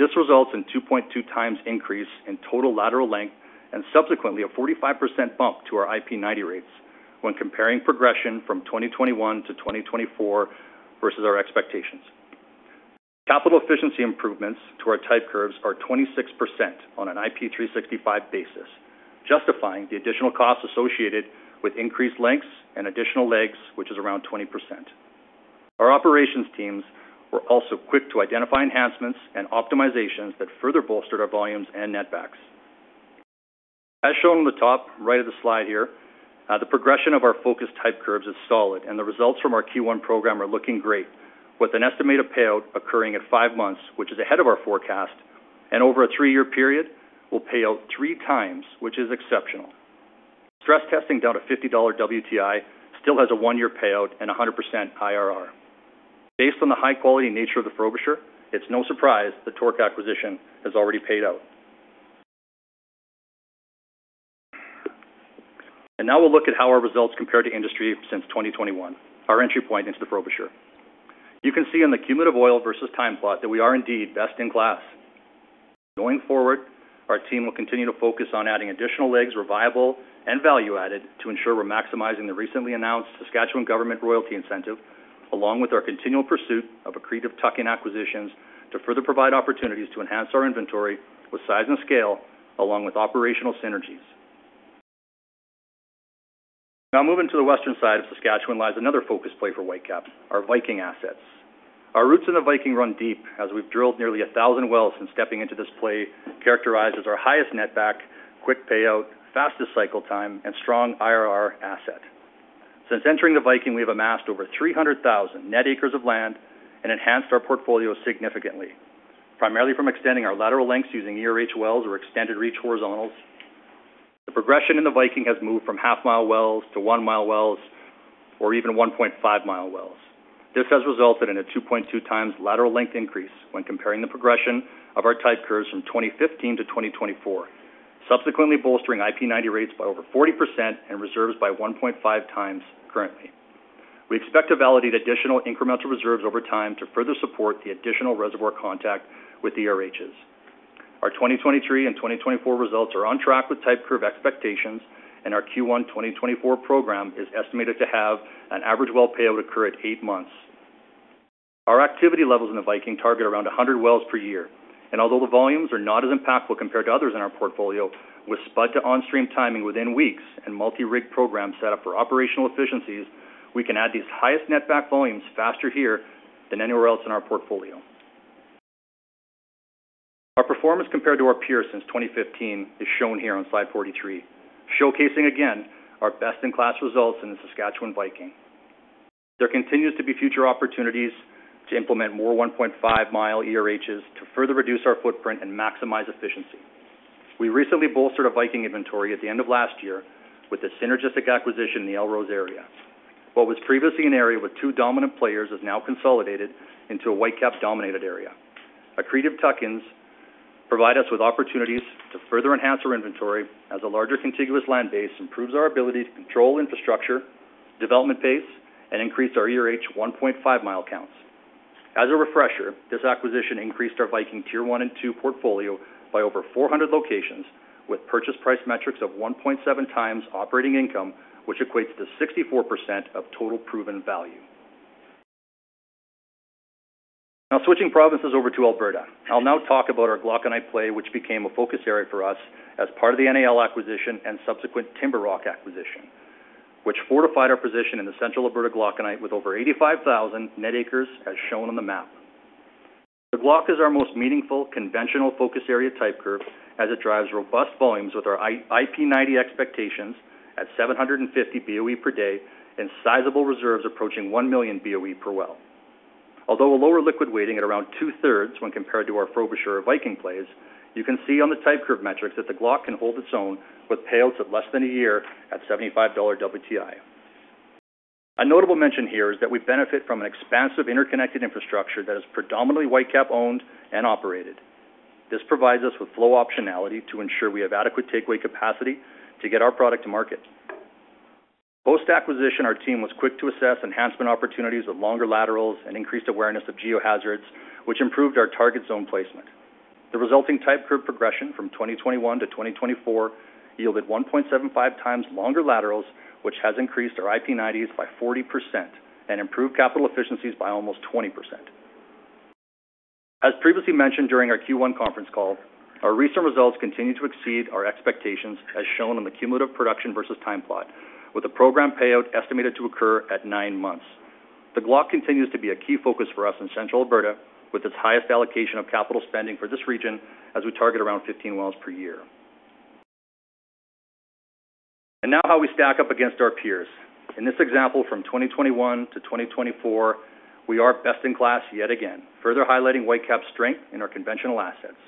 This results in a 2.2 times increase in total lateral length and subsequently a 45% bump to our IP90 rates when comparing progression from 2021 to 2024 versus our expectations. Capital efficiency improvements to our type curves are 26% on an IP365 basis, justifying the additional costs associated with increased lengths and additional legs, which is around 20%. Our operations teams were also quick to identify enhancements and optimizations that further bolstered our volumes and net backs. As shown on the top right of the slide here, the progression of our focus type curves is solid, and the results from our Q1 program are looking great, with an estimated payout occurring at 5 months, which is ahead of our forecast, and over a three-year period will pay out 3 times, which is exceptional. Stress testing down to $50 WTI still has a one-year payout and 100% IRR. Based on the high-quality nature of the Frobisher, it's no surprise the TORC acquisition has already paid out. Now we'll look at how our results compare to industry since 2021, our entry point into the Frobisher. You can see on the cumulative oil versus time plot that we are indeed best in class. Going forward, our team will continue to focus on adding additional legs, reliable, and value added to ensure we're maximizing the recently announced Saskatchewan government royalty incentive, along with our continual pursuit of accretive tuck-in acquisitions to further provide opportunities to enhance our inventory with size and scale, along with operational synergies. Now moving to the western side of Saskatchewan lies another focus play for Whitecap, our Viking assets. Our roots in the Viking run deep as we've drilled nearly 1,000 wells since stepping into this play, characterized as our highest net back, quick payout, fastest cycle time, and strong IRR asset. Since entering the Viking, we have amassed over 300,000 net acres of land and enhanced our portfolio significantly, primarily from extending our lateral lengths using ERH wells or extended reach horizontals. The progression in the Viking has moved from half-mile wells to one-mile wells or even 1.5-mile wells. This has resulted in a 2.2 times lateral length increase when comparing the progression of our type curves from 2015 to 2024, subsequently bolstering IP90 rates by over 40% and reserves by 1.5 times currently. We expect to validate additional incremental reserves over time to further support the additional reservoir contact with ERHs. Our 2023 and 2024 results are on track with type curve expectations, and our Q1 2024 program is estimated to have an average well payout occur at eight months. Our activity levels in the Viking target around 100 wells per year. Although the volumes are not as impactful compared to others in our portfolio, with spud to on-stream timing within weeks and multi-rig programs set up for operational efficiencies, we can add these highest net back volumes faster here than anywhere else in our portfolio. Our performance compared to our peers since 2015 is shown here on slide 43, showcasing again our best-in-class results in the Saskatchewan Viking. There continues to be future opportunities to implement more 1.5-mile ERHs to further reduce our footprint and maximize efficiency. We recently bolstered a Viking inventory at the end of last year with a synergistic acquisition in the Elrose area. What was previously an area with two dominant players is now consolidated into a Whitecap dominated area. Accretive tuck-ins provide us with opportunities to further enhance our inventory as a larger contiguous land base improves our ability to control infrastructure, development pace, and increase our ERH 1.5-mile counts. As a refresher, this acquisition increased our Viking tier one and two portfolio by over 400 locations with purchase price metrics of 1.7x operating income, which equates to 64% of total proven value. Now switching provinces over to Alberta, I'll now talk about our Glauconite play, which became a focus area for us as part of the NAL acquisition and subsequent TimberRock acquisition, which fortified our position in the central Alberta Glauconite with over 85,000 net acres as shown on the map. The Glauconite is our most meaningful conventional focus area type curve as it drives robust volumes with our IP90 expectations at 750 BOE per day and sizable reserves approaching 1 million BOE per well. Although a lower liquid weighting at around two-thirds when compared to our Frobisher or Viking plays, you can see on the type curve metrics that the Glauconite can hold its own with payouts at less than a year at $75 WTI. A notable mention here is that we benefit from an expansive interconnected infrastructure that is predominantly Whitecap owned and operated. This provides us with flow optionality to ensure we have adequate takeaway capacity to get our product to market. Post-acquisition, our team was quick to assess enhancement opportunities with longer laterals and increased awareness of geohazards, which improved our target zone placement. The resulting type curve progression from 2021 to 2024 yielded 1.75 times longer laterals, which has increased our IP90s by 40% and improved capital efficiencies by almost 20%. As previously mentioned during our Q1 conference call, our recent results continue to exceed our expectations as shown on the cumulative production versus time plot, with the program payout estimated to occur at nine months. The Glauconite continues to be a key focus for us in Central Alberta with its highest allocation of capital spending for this region as we target around 15 wells per year. And now how we stack up against our peers. In this example from 2021 to 2024, we are best in class yet again, further highlighting Whitecap's strength in our conventional assets.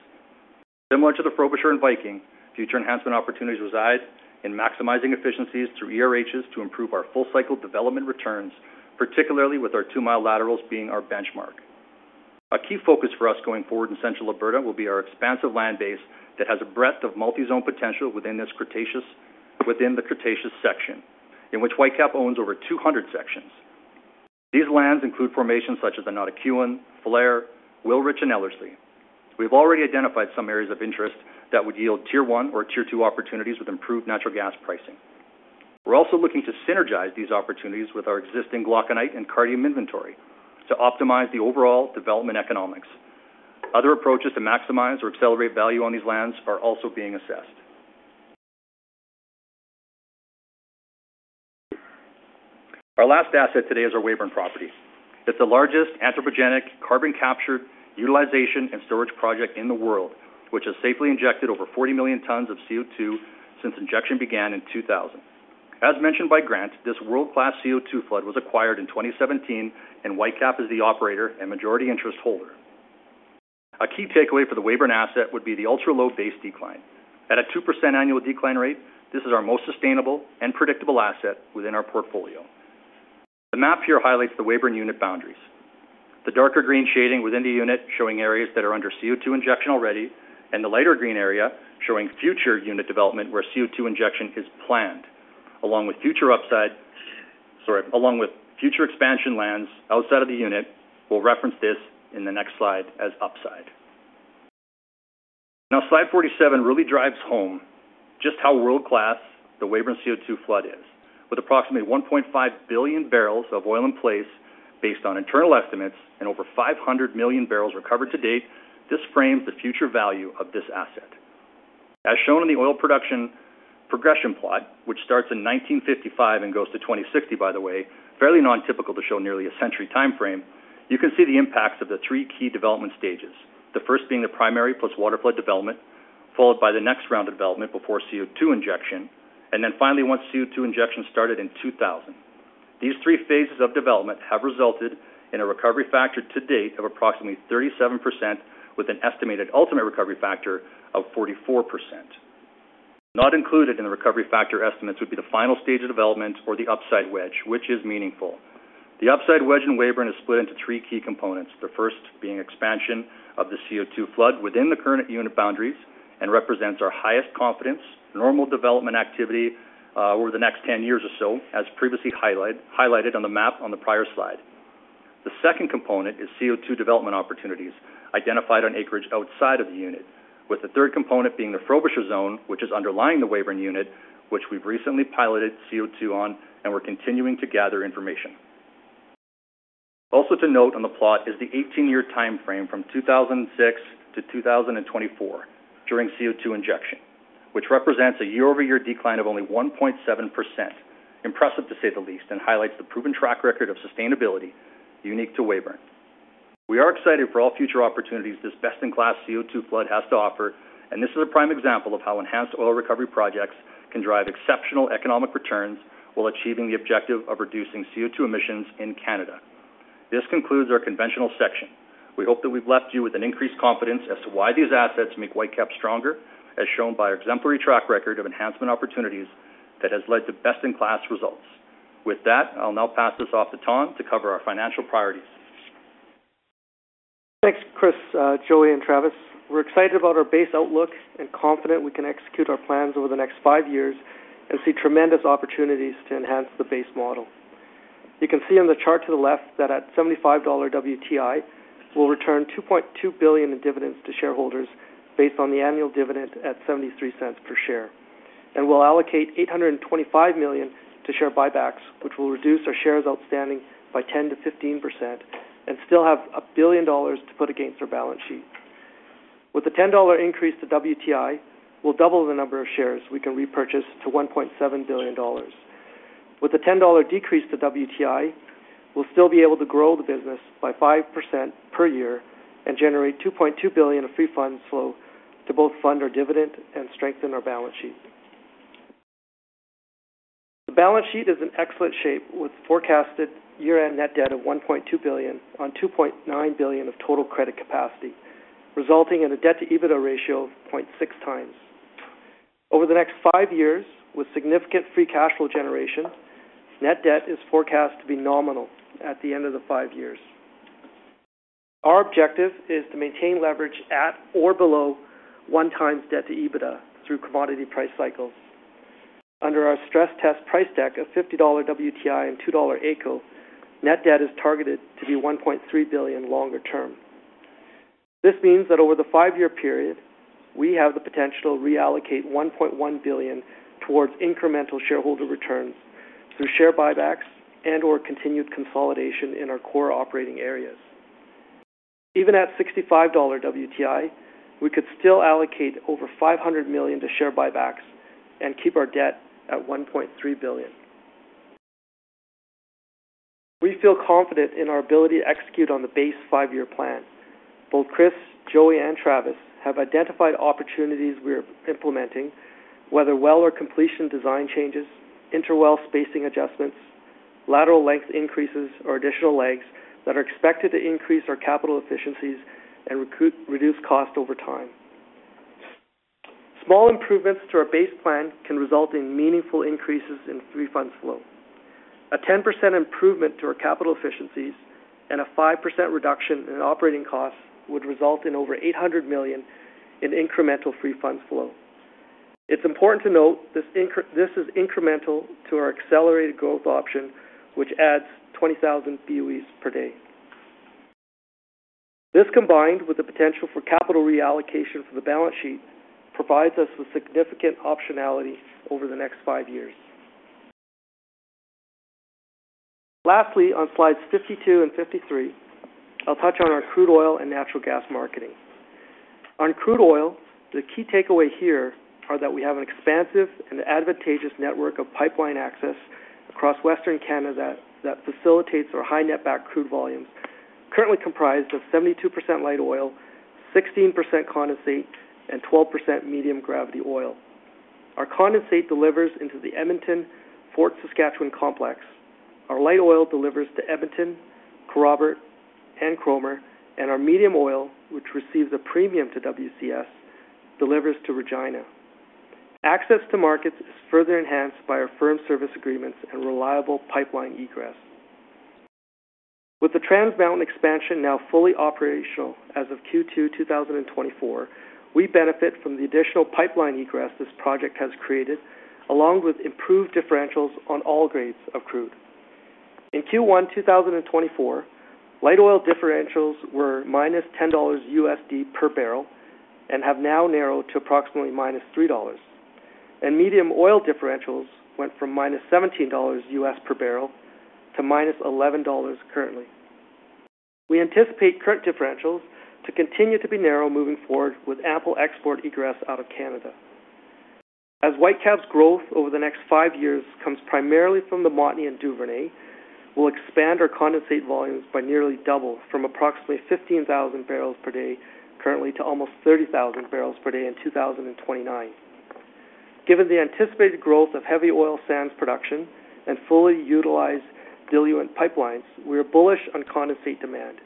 Similar to the Frobisher and Viking, future enhancement opportunities reside in maximizing efficiencies through ERHs to improve our full-cycle development returns, particularly with our two-mile laterals being our benchmark. A key focus for us going forward in Central Alberta will be our expansive land base that has a breadth of multi-zone potential within the Cretaceous section, in which Whitecap owns over 200 sections. These lands include formations such as the Nisku, Blairmore, Wilrich, and Ellerslie. We have already identified some areas of interest that would yield tier one or tier two opportunities with improved natural gas pricing. We're also looking to synergize these opportunities with our existing Glauconite and Cardium inventory to optimize the overall development economics. Other approaches to maximize or accelerate value on these lands are also being assessed. Our last asset today is our Weyburn property. It's the largest anthropogenic carbon capture, utilization, and storage project in the world, which has safely injected over 40 million tons of CO2 since injection began in 2000. As mentioned by Grant, this world-class CO2 flood was acquired in 2017, and Whitecap is the operator and majority interest holder. A key takeaway for the Weyburn asset would be the ultra-low base decline. At a 2% annual decline rate, this is our most sustainable and predictable asset within our portfolio. The map here highlights the Weyburn unit boundaries. The darker green shading within the unit showing areas that are under CO2 injection already, and the lighter green area showing future unit development where CO2 injection is planned, along with future upside, sorry, along with future expansion lands outside of the unit. We'll reference this in the next slide as upside. Now, slide 47 really drives home just how world-class the Weyburn CO2 flood is. With approximately 1.5 billion barrels of oil in place based on internal estimates and over 500 million barrels recovered to date, this frames the future value of this asset. As shown in the oil production progression plot, which starts in 1955 and goes to 2060, by the way, fairly non-typical to show nearly a century timeframe, you can see the impacts of the three key development stages, the first being the primary plus waterflood development, followed by the next round of development before CO2 injection, and then finally once CO2 injection started in 2000. These three phases of development have resulted in a recovery factor to date of approximately 37%, with an estimated ultimate recovery factor of 44%. Not included in the recovery factor estimates would be the final stage of development or the upside wedge, which is meaningful. The upside wedge in Weyburn is split into three key components, the first being expansion of the CO2 flood within the current unit boundaries and represents our highest confidence, normal development activity over the next 10 years or so, as previously highlighted on the map on the prior slide. The second component is CO2 development opportunities identified on acreage outside of the unit, with the third component being the Frobisher zone, which is underlying the Weyburn unit, which we've recently piloted CO2 on and we're continuing to gather information. Also to note on the plot is the 18-year timeframe from 2006 to 2024 during CO2 injection, which represents a year-over-year decline of only 1.7%, impressive to say the least, and highlights the proven track record of sustainability unique to Weyburn. We are excited for all future opportunities this best-in-class CO2 flood has to offer, and this is a prime example of how enhanced oil recovery projects can drive exceptional economic returns while achieving the objective of reducing CO2 emissions in Canada. This concludes our conventional section. We hope that we've left you with an increased confidence as to why these assets make Whitecap stronger, as shown by our exemplary track record of enhancement opportunities that has led to best-in-class results. With that, I'll now pass this off to Thanh to cover our financial priorities. Thanks, Chris, Joey, and Travis. We're excited about our base outlook and confident we can execute our plans over the next 5 years and see tremendous opportunities to enhance the base model. You can see on the chart to the left that at $75 WTI, we'll return 2.2 billion in dividends to shareholders based on the annual dividend at 0.73 per share. We'll allocate 825 million to share buybacks, which will reduce our shares outstanding by 10%-15% and still have 1 billion dollars to put against our balance sheet. With the $10 increase to WTI, we'll double the number of shares we can repurchase to 1.7 billion dollars. With the $10 decrease to WTI, we'll still be able to grow the business by 5% per year and generate 2.2 billion of free funds flow to both fund our dividend and strengthen our balance sheet. The balance sheet is in excellent shape with forecasted year-end net debt of 1.2 billion on 2.9 billion of total credit capacity, resulting in a debt-to-EBITDA ratio of 0.6x. Over the next five years, with significant free cash flow generation, net debt is forecast to be nominal at the end of the five years. Our objective is to maintain leverage at or below 1x debt-to-EBITDA through commodity price cycles. Under our stress test price deck of $50 WTI and $2 AECO, net debt is targeted to be 1.3 billion longer term. This means that over the five-year period, we have the potential to reallocate 1.1 billion towards incremental shareholder returns through share buybacks and/or continued consolidation in our core operating areas. Even at $65 WTI, we could still allocate over 500 million to share buybacks and keep our debt at 1.3 billion. We feel confident in our ability to execute on the base five-year plan. Both Chris, Joey, and Travis have identified opportunities we are implementing, whether well or completion design changes, interwell spacing adjustments, lateral length increases, or additional legs that are expected to increase our capital efficiencies and reduce cost over time. Small improvements to our base plan can result in meaningful increases in free funds flow. A 10% improvement to our capital efficiencies and a 5% reduction in operating costs would result in over 800 million in incremental free funds flow. It's important to note this is incremental to our accelerated growth option, which adds 20,000 BOEs per day. This combined with the potential for capital reallocation for the balance sheet provides us with significant optionality over the next five years. Lastly, on slides 52 and 53, I'll touch on our crude oil and natural gas marketing. On crude oil, the key takeaway here is that we have an expansive and advantageous network of pipeline access across western Canada that facilitates our high-net-back crude volumes, currently comprised of 72% light oil, 16% condensate, and 12% medium gravity oil. Our condensate delivers into the Edmonton-Fort Saskatchewan complex. Our light oil delivers to Edmonton, Hardisty, and Cromer, and our medium oil, which receives a premium to WCS, delivers to Regina. Access to markets is further enhanced by our firm service agreements and reliable pipeline egress. With the Trans Mountain expansion now fully operational as of Q2 2024, we benefit from the additional pipeline egress this project has created, along with improved differentials on all grades of crude. In Q1 2024, light oil differentials were minus $10 per barrel and have now narrowed to approximately minus $3. Medium oil differentials went from minus $17 per barrel to minus $11 currently. We anticipate current differentials to continue to be narrow moving forward with ample export egress out of Canada. As Whitecap's growth over the next five years comes primarily from the Montney and Duvernay, we'll expand our condensate volumes by nearly double from approximately 15,000 barrels per day currently to almost 30,000 barrels per day in 2029. Given the anticipated growth of heavy oil sands production and fully utilized diluent pipelines, we are bullish on condensate demand.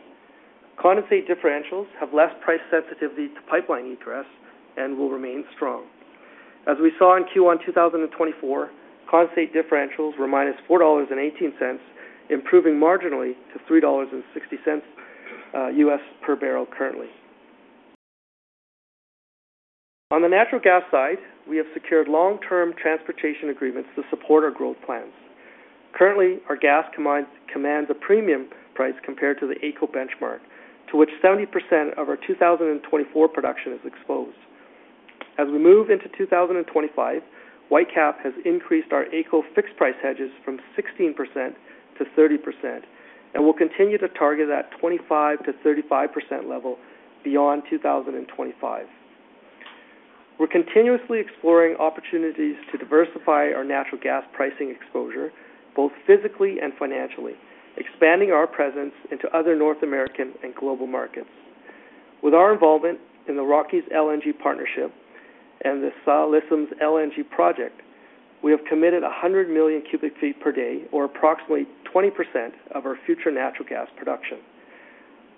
Condensate differentials have less price sensitivity to pipeline egress and will remain strong. As we saw in Q1 2024, condensate differentials were minus $4.18, improving marginally to $3.60 per barrel currently. On the natural gas side, we have secured long-term transportation agreements to support our growth plans. Currently, our gas commands a premium price compared to the AECO benchmark, to which 70% of our 2024 production is exposed. As we move into 2025, Whitecap has increased our AECO fixed price hedges from 16% to 30%, and we'll continue to target that 25%-35% level beyond 2025. We're continuously exploring opportunities to diversify our natural gas pricing exposure, both physically and financially, expanding our presence into other North American and global markets. With our involvement in the Rockies LNG partnership and the Ksi Lisims LNG project, we have committed 100 million cubic feet per day, or approximately 20% of our future natural gas production.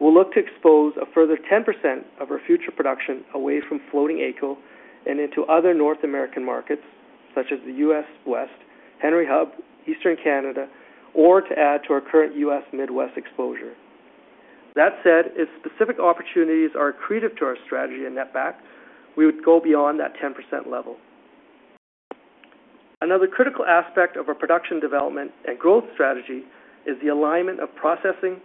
We'll look to expose a further 10% of our future production away from floating AECO and into other North American markets, such as the US West, Henry Hub, Eastern Canada, or to add to our current US Midwest exposure. That said, if specific opportunities are accretive to our strategy and net back, we would go beyond that 10% level. Another critical aspect of our production development and growth strategy is the alignment of processing,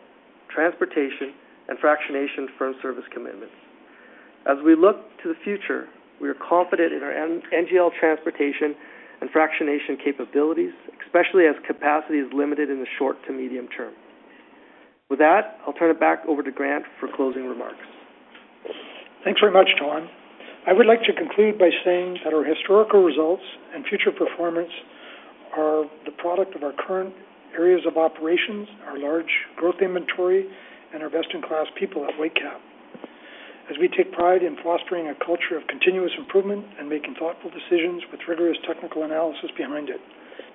transportation, and fractionation firm service commitments. As we look to the future, we are confident in our NGL transportation and fractionation capabilities, especially as capacity is limited in the short to medium term. With that, I'll turn it back over to Grant for closing remarks. Thanks very much, Thanh. I would like to conclude by saying that our historical results and future performance are the product of our current areas of operations, our large growth inventory, and our best-in-class people at Whitecap. As we take pride in fostering a culture of continuous improvement and making thoughtful decisions with rigorous technical analysis behind it,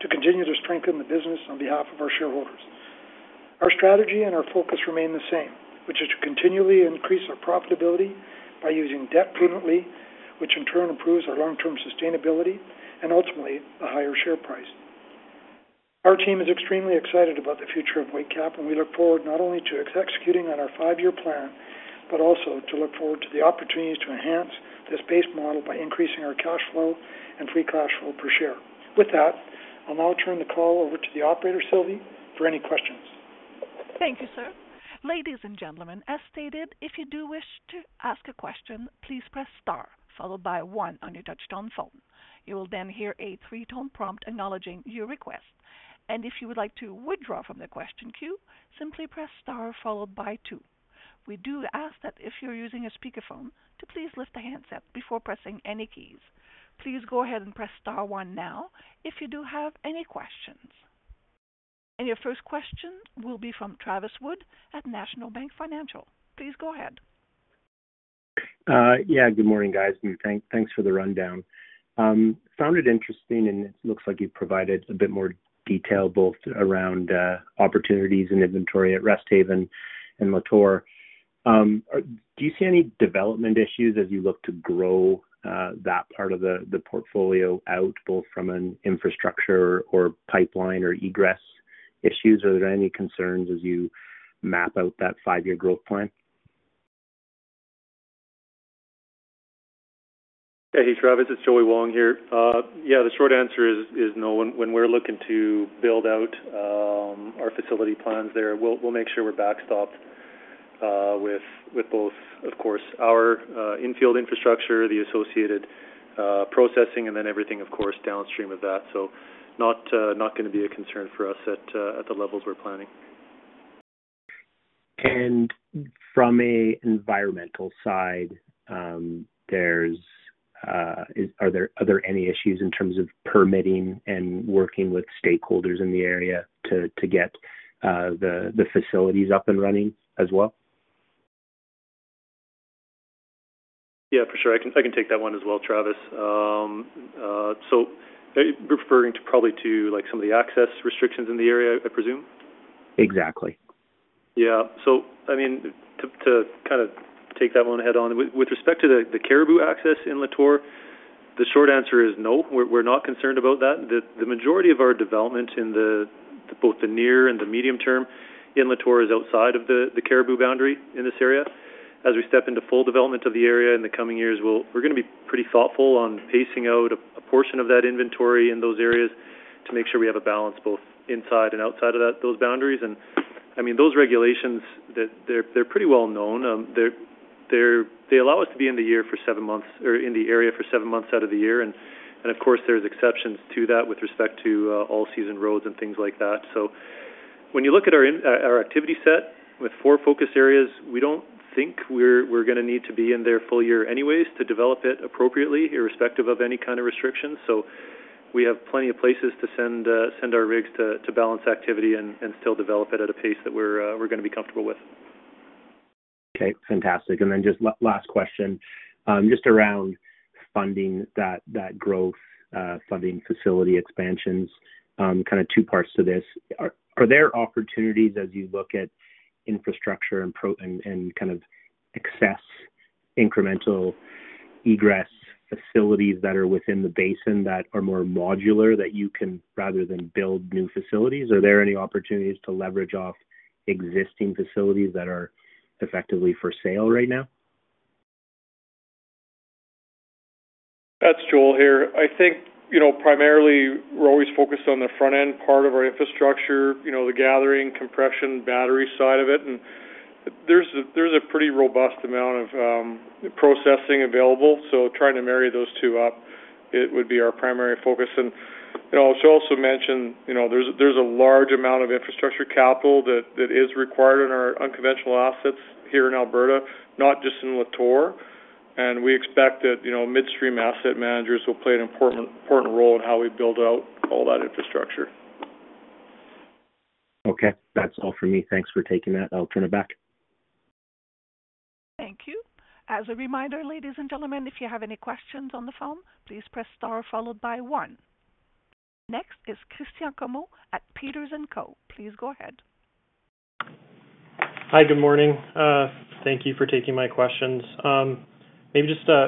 to continue to strengthen the business on behalf of our shareholders. Our strategy and our focus remain the same, which is to continually increase our profitability by using debt prudently, which in turn improves our long-term sustainability and ultimately the higher share price. Our team is extremely excited about the future of Whitecap, and we look forward not only to executing on our five-year plan, but also to look forward to the opportunities to enhance this base model by increasing our cash flow and free cash flow per share. With that, I'll now turn the call over to the operator, Sylvie, for any questions. Thank you, sir. Ladies and gentlemen, as stated, if you do wish to ask a question, please press star followed by one on your touch-tone phone. You will then hear a three-tone prompt acknowledging your request. If you would like to withdraw from the question queue, simply press star followed by two. We do ask that if you're using a speakerphone, to please lift the handset before pressing any keys. Please go ahead and press star one now if you do have any questions. Your first question will be from Travis Wood at National Bank Financial. Please go ahead. Yeah, good morning, guys. Thanks for the rundown. Found it interesting, and it looks like you've provided a bit more detail both around opportunities and inventory at Resthaven Latour. Do you see any development issues as you look to grow that part of the portfolio out, both from an infrastructure or pipeline or egress issues? Are there any concerns as you map out that five-year growth plan? Hey, Travis, it's Joey Wong here. Yeah, the short answer is no. When we're looking to build out our facility plans there, we'll make sure we're backstopped with both, of course, our infield infrastructure, the associated processing, and then everything, of course, downstream of that. So not going to be a concern for us at the levels we're planning. From an environmental side, are there any issues in terms of permitting and working with stakeholders in the area to get the facilities up and running as well? Yeah, for sure. I can take that one as well, Travis. So referring to probably to some of the access restrictions in the area, I presume? Exactly. Yeah. So, I mean, to kind of take that one head-on, with respect to the Caribou access Latour, the short answer is no. We're not concerned about that. The majority of our development in both the near and the medium term Latour is outside of the Caribou boundary in this area. As we step into full development of the area in the coming years, we're going to be pretty thoughtful on pacing out a portion of that inventory in those areas to make sure we have a balance both inside and outside of those boundaries. And, I mean, those regulations, they're pretty well known. They allow us to be in the year for seven months or in the area for seven months out of the year. And, of course, there's exceptions to that with respect to all-season roads and things like that. When you look at our activity set with four focus areas, we don't think we're going to need to be in there full year anyways to develop it appropriately, irrespective of any kind of restrictions. We have plenty of places to send our rigs to balance activity and still develop it at a pace that we're going to be comfortable with. Okay. Fantastic. And then just last question, just around funding that growth funding facility expansions, kind of two parts to this. Are there opportunities as you look at infrastructure and kind of excess incremental egress facilities that are within the basin that are more modular that you can, rather than build new facilities? Are there any opportunities to leverage off existing facilities that are effectively for sale right now? That's Joel here. I think primarily we're always focused on the front-end part of our infrastructure, the gathering, compression, battery side of it. And there's a pretty robust amount of processing available. So trying to marry those two up, it would be our primary focus. And to also mention, there's a large amount of infrastructure capital that is required on our unconventional assets here in Alberta, not just Latour. And we expect that midstream asset managers will play an important role in how we build out all that infrastructure. Okay. That's all for me. Thanks for taking that. I'll turn it back. Thank you. As a reminder, ladies and gentlemen, if you have any questions on the phone, please press star followed by one. Next is Christian Comeau at Peters and Co. Please go ahead. Hi, good morning. Thank you for taking my questions. Maybe just a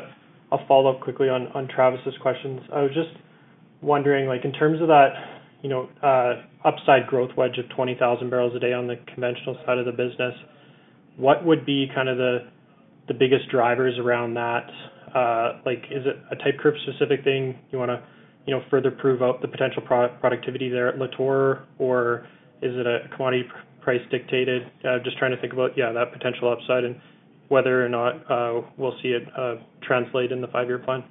follow-up quickly on Travis's questions. I was just wondering, in terms of that upside growth wedge of 20,000 barrels a day on the conventional side of the business, what would be kind of the biggest drivers around that? Is it a type group specific thing? You want to further prove out the potential productivity there Latour, or is it a commodity price dictated? Just trying to think about, yeah, that potential upside and whether or not we'll see it translate in the five-year plan.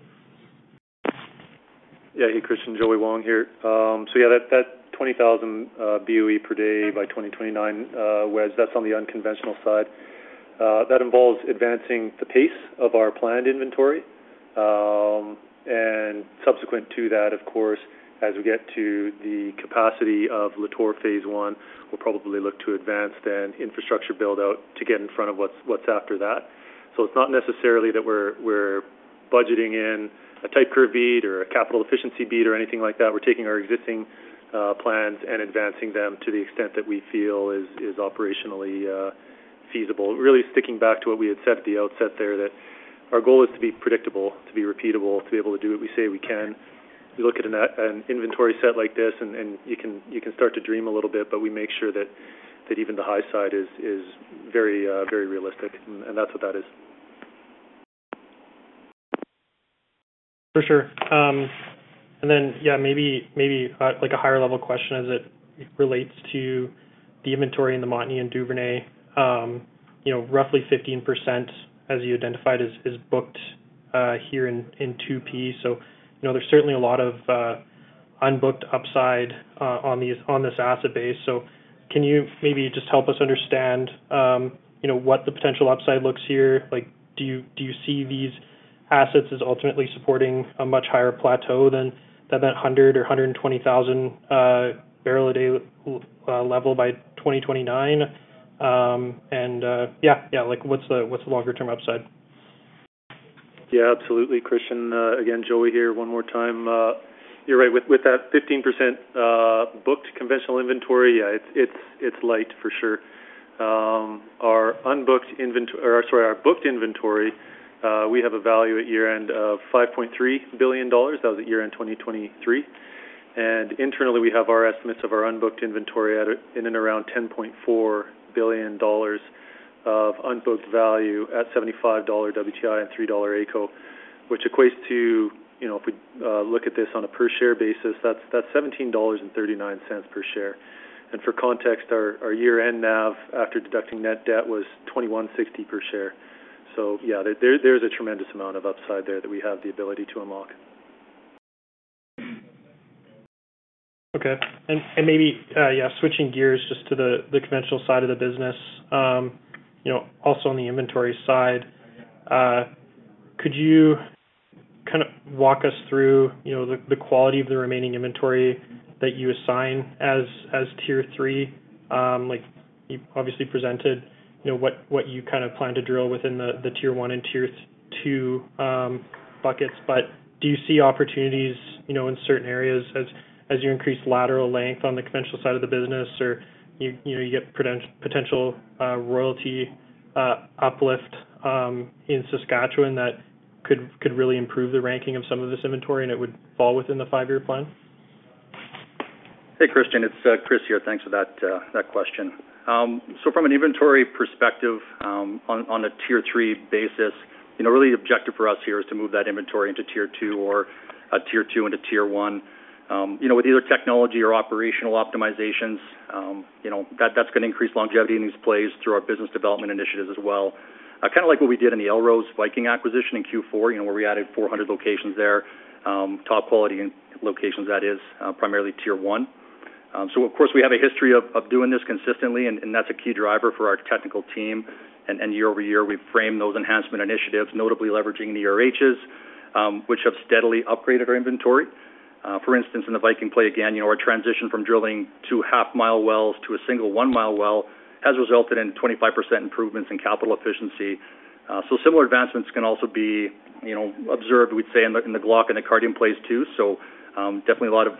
Yeah. Hey, Christian, Joey Wong here. So yeah, that 20,000 BOE per day by 2029 wedge, that's on the unconventional side. That involves advancing the pace of our planned inventory. Subsequent to that, of course, as we get to the capacity Latour phase one, we'll probably look to advance then infrastructure build-out to get in front of what's after that. So it's not necessarily that we're budgeting in a type curve beat or a capital efficiency beat or anything like that. We're taking our existing plans and advancing them to the extent that we feel is operationally feasible. Really sticking back to what we had said at the outset there that our goal is to be predictable, to be repeatable, to be able to do what we say we can. You look at an inventory set like this and you can start to dream a little bit, but we make sure that even the high side is very realistic. That's what that is. For sure. And then, yeah, maybe a higher-level question as it relates to the inventory in the Montney and Duvernay, roughly 15%, as you identified, is booked here in 2P. So there's certainly a lot of unbooked upside on this asset base. So can you maybe just help us understand what the potential upside looks here? Do you see these assets as ultimately supporting a much higher plateau than that 100,000 or 120,000 barrel a day level by 2029? And yeah, yeah, what's the longer-term upside? Yeah, absolutely, Christian. Again, Joey here one more time. You're right. With that 15% booked conventional inventory, yeah, it's light for sure. Our unbooked inventory, or sorry, our booked inventory, we have a value at year-end of $5.3 billion. That was at year-end 2023. And internally, we have our estimates of our unbooked inventory in and around $10.4 billion of unbooked value at $75 WTI and $3 AECO, which equates to, if we look at this on a per-share basis, that's $17.39 per share. And for context, our year-end NAV after deducting net debt was $21.60 per share. So yeah, there's a tremendous amount of upside there that we have the ability to unlock. Okay. And maybe, yeah, switching gears just to the conventional side of the business, also on the inventory side, could you kind of walk us through the quality of the remaining inventory that you assign as tier three? You obviously presented what you kind of plan to drill within the tier one and tier two buckets, but do you see opportunities in certain areas as you increase lateral length on the conventional side of the business, or you get potential royalty uplift in Saskatchewan that could really improve the ranking of some of this inventory and it would fall within the five-year plan? Hey, Christian, it's Chris here. Thanks for that question. So from an inventory perspective on a tier three basis, really the objective for us here is to move that inventory into tier two or tier two into tier one with either technology or operational optimizations. That's going to increase longevity in these plays through our business development initiatives as well. Kind of like what we did in the Elrose Viking acquisition in Q4, where we added 400 locations there, top quality locations, that is, primarily tier one. So of course, we have a history of doing this consistently, and that's a key driver for our technical team. And year-over-year, we've framed those enhancement initiatives, notably leveraging the ERHs, which have steadily upgraded our inventory. For instance, in the Viking play, again, our transition from drilling 2 half-mile wells to a single 1-mile well has resulted in 25% improvements in capital efficiency. So similar advancements can also be observed, we'd say, in the Glauconite and the Cardium plays too. So definitely a lot of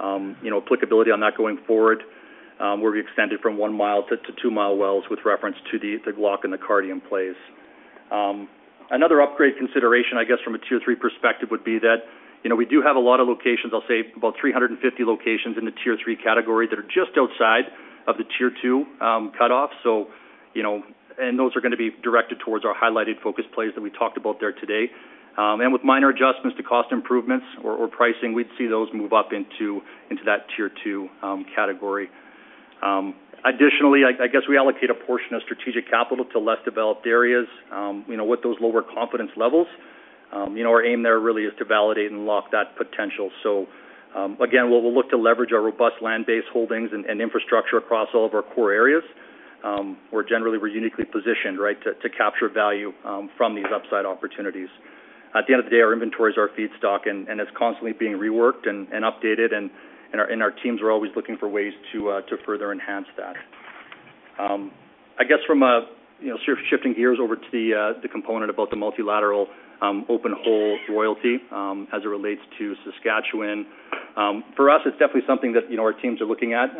applicability on that going forward, where we extended from 1-mile to 2-mile wells with reference to the Glauconite and the Cardium plays. Another upgrade consideration, I guess, from a tier three perspective would be that we do have a lot of locations, I'll say about 350 locations in the tier three category that are just outside of the tier two cutoff. And those are going to be directed towards our highlighted focus plays that we talked about there today. And with minor adjustments to cost improvements or pricing, we'd see those move up into that tier two category. Additionally, I guess we allocate a portion of strategic capital to less developed areas with those lower confidence levels. Our aim there really is to validate and lock that potential. So again, we'll look to leverage our robust land-based holdings and infrastructure across all of our core areas, where generally we're uniquely positioned, right, to capture value from these upside opportunities. At the end of the day, our inventory is our feedstock, and it's constantly being reworked and updated. And our teams are always looking for ways to further enhance that. I guess from a shifting gears over to the component about the multilateral open-hole royalty as it relates to Saskatchewan, for us, it's definitely something that our teams are looking at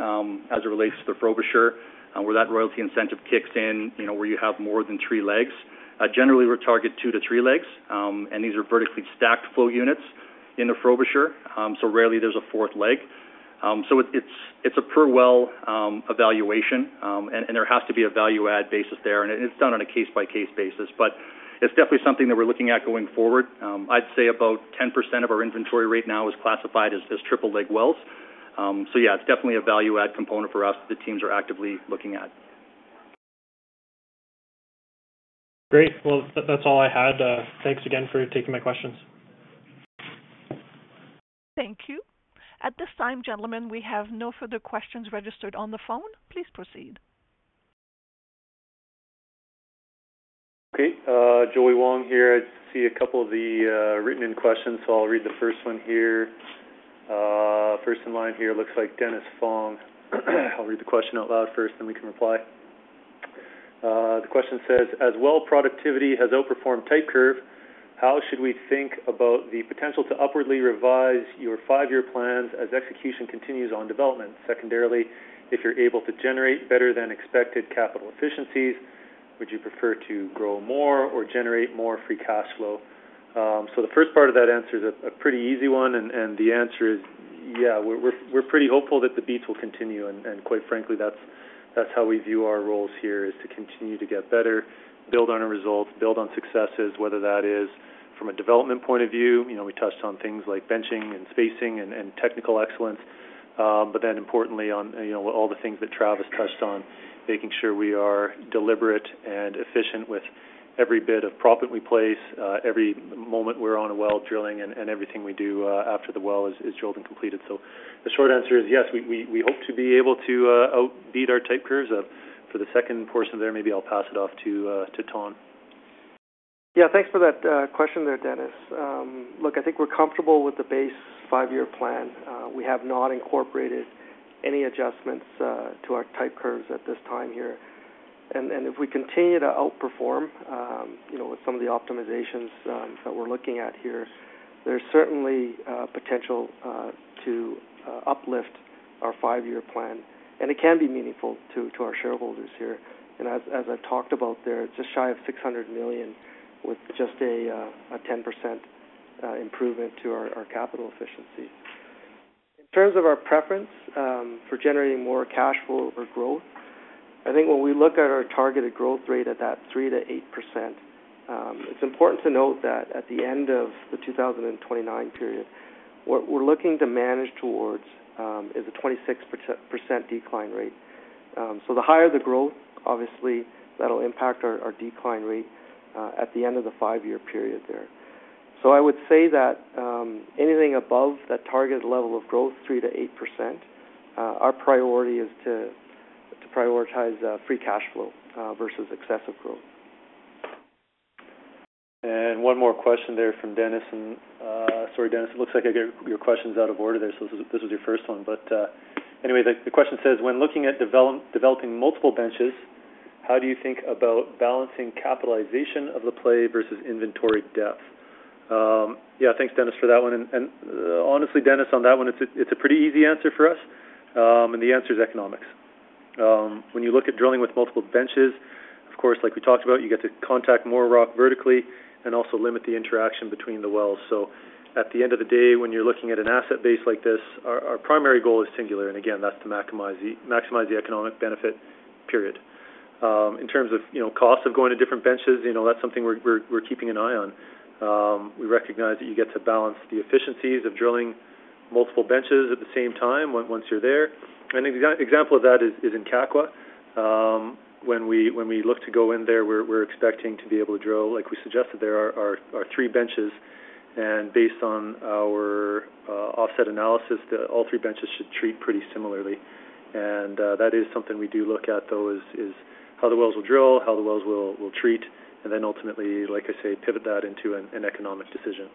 as it relates to the Frobisher, where that royalty incentive kicks in, where you have more than three legs. Generally, we're targeting 2-3 legs, and these are vertically stacked flow units in the Frobisher. So rarely there's a fourth leg. So it's a per well evaluation, and there has to be a value-add basis there. And it's done on a case-by-case basis, but it's definitely something that we're looking at going forward. I'd say about 10% of our inventory right now is classified as triple-leg wells. So yeah, it's definitely a value-add component for us that the teams are actively looking at. Great. Well, that's all I had. Thanks again for taking my questions. Thank you. At this time, gentlemen, we have no further questions registered on the phone. Please proceed. Okay. Joey Wong here. I see a couple of the written-in questions, so I'll read the first one here. First in line here looks like Dennis Fong. I'll read the question out loud first, then we can reply. The question says, "As well productivity has outperformed type curve, how should we think about the potential to upwardly revise your five-year plans as execution continues on development? Secondarily, if you're able to generate better-than-expected capital efficiencies, would you prefer to grow more or generate more free cash flow?" So the first part of that answer is a pretty easy one, and the answer is, yeah, we're pretty hopeful that the beats will continue. And quite frankly, that's how we view our roles here, is to continue to get better, build on our results, build on successes, whether that is from a development point of view. We touched on things like benching and spacing and technical excellence, but then importantly, on all the things that Travis touched on, making sure we are deliberate and efficient with every bit of prop that we place, every moment we're on a well drilling, and everything we do after the well is drilled and completed. So the short answer is yes, we hope to be able to outbeat our type curves. For the second portion there, maybe I'll pass it off to Thanh. Yeah. Thanks for that question there, Dennis. Look, I think we're comfortable with the base five-year plan. We have not incorporated any adjustments to our type curves at this time here. If we continue to outperform with some of the optimizations that we're looking at here, there's certainly potential to uplift our five-year plan. It can be meaningful to our shareholders here. As I've talked about there, it's just shy of 600 million with just a 10% improvement to our capital efficiency. In terms of our preference for generating more cash flow or growth, I think when we look at our targeted growth rate at that 3%-8%, it's important to note that at the end of the 2029 period, what we're looking to manage towards is a 26% decline rate. The higher the growth, obviously, that'll impact our decline rate at the end of the five-year period there. I would say that anything above that targeted level of growth, 3%-8%, our priority is to prioritize free cash flow versus excessive growth. One more question there from Dennis. Sorry, Dennis, it looks like I got your questions out of order there. This was your first one. But anyway, the question says, "When looking at developing multiple benches, how do you think about balancing capitalization of the play versus inventory depth?" Yeah, thanks, Dennis, for that one. Honestly, Dennis, on that one, it's a pretty easy answer for us. The answer is economics. When you look at drilling with multiple benches, of course, like we talked about, you get to contact more rock vertically and also limit the interaction between the wells. So at the end of the day, when you're looking at an asset base like this, our primary goal is singular. Again, that's to maximize the economic benefit, period. In terms of cost of going to different benches, that's something we're keeping an eye on. We recognize that you get to balance the efficiencies of drilling multiple benches at the same time once you're there. An example of that is in Kakwa. When we look to go in there, we're expecting to be able to drill, like we suggested there, our three benches. And based on our offset analysis, all three benches should treat pretty similarly. And that is something we do look at, though, is how the wells will drill, how the wells will treat, and then ultimately, like I say, pivot that into an economic decision.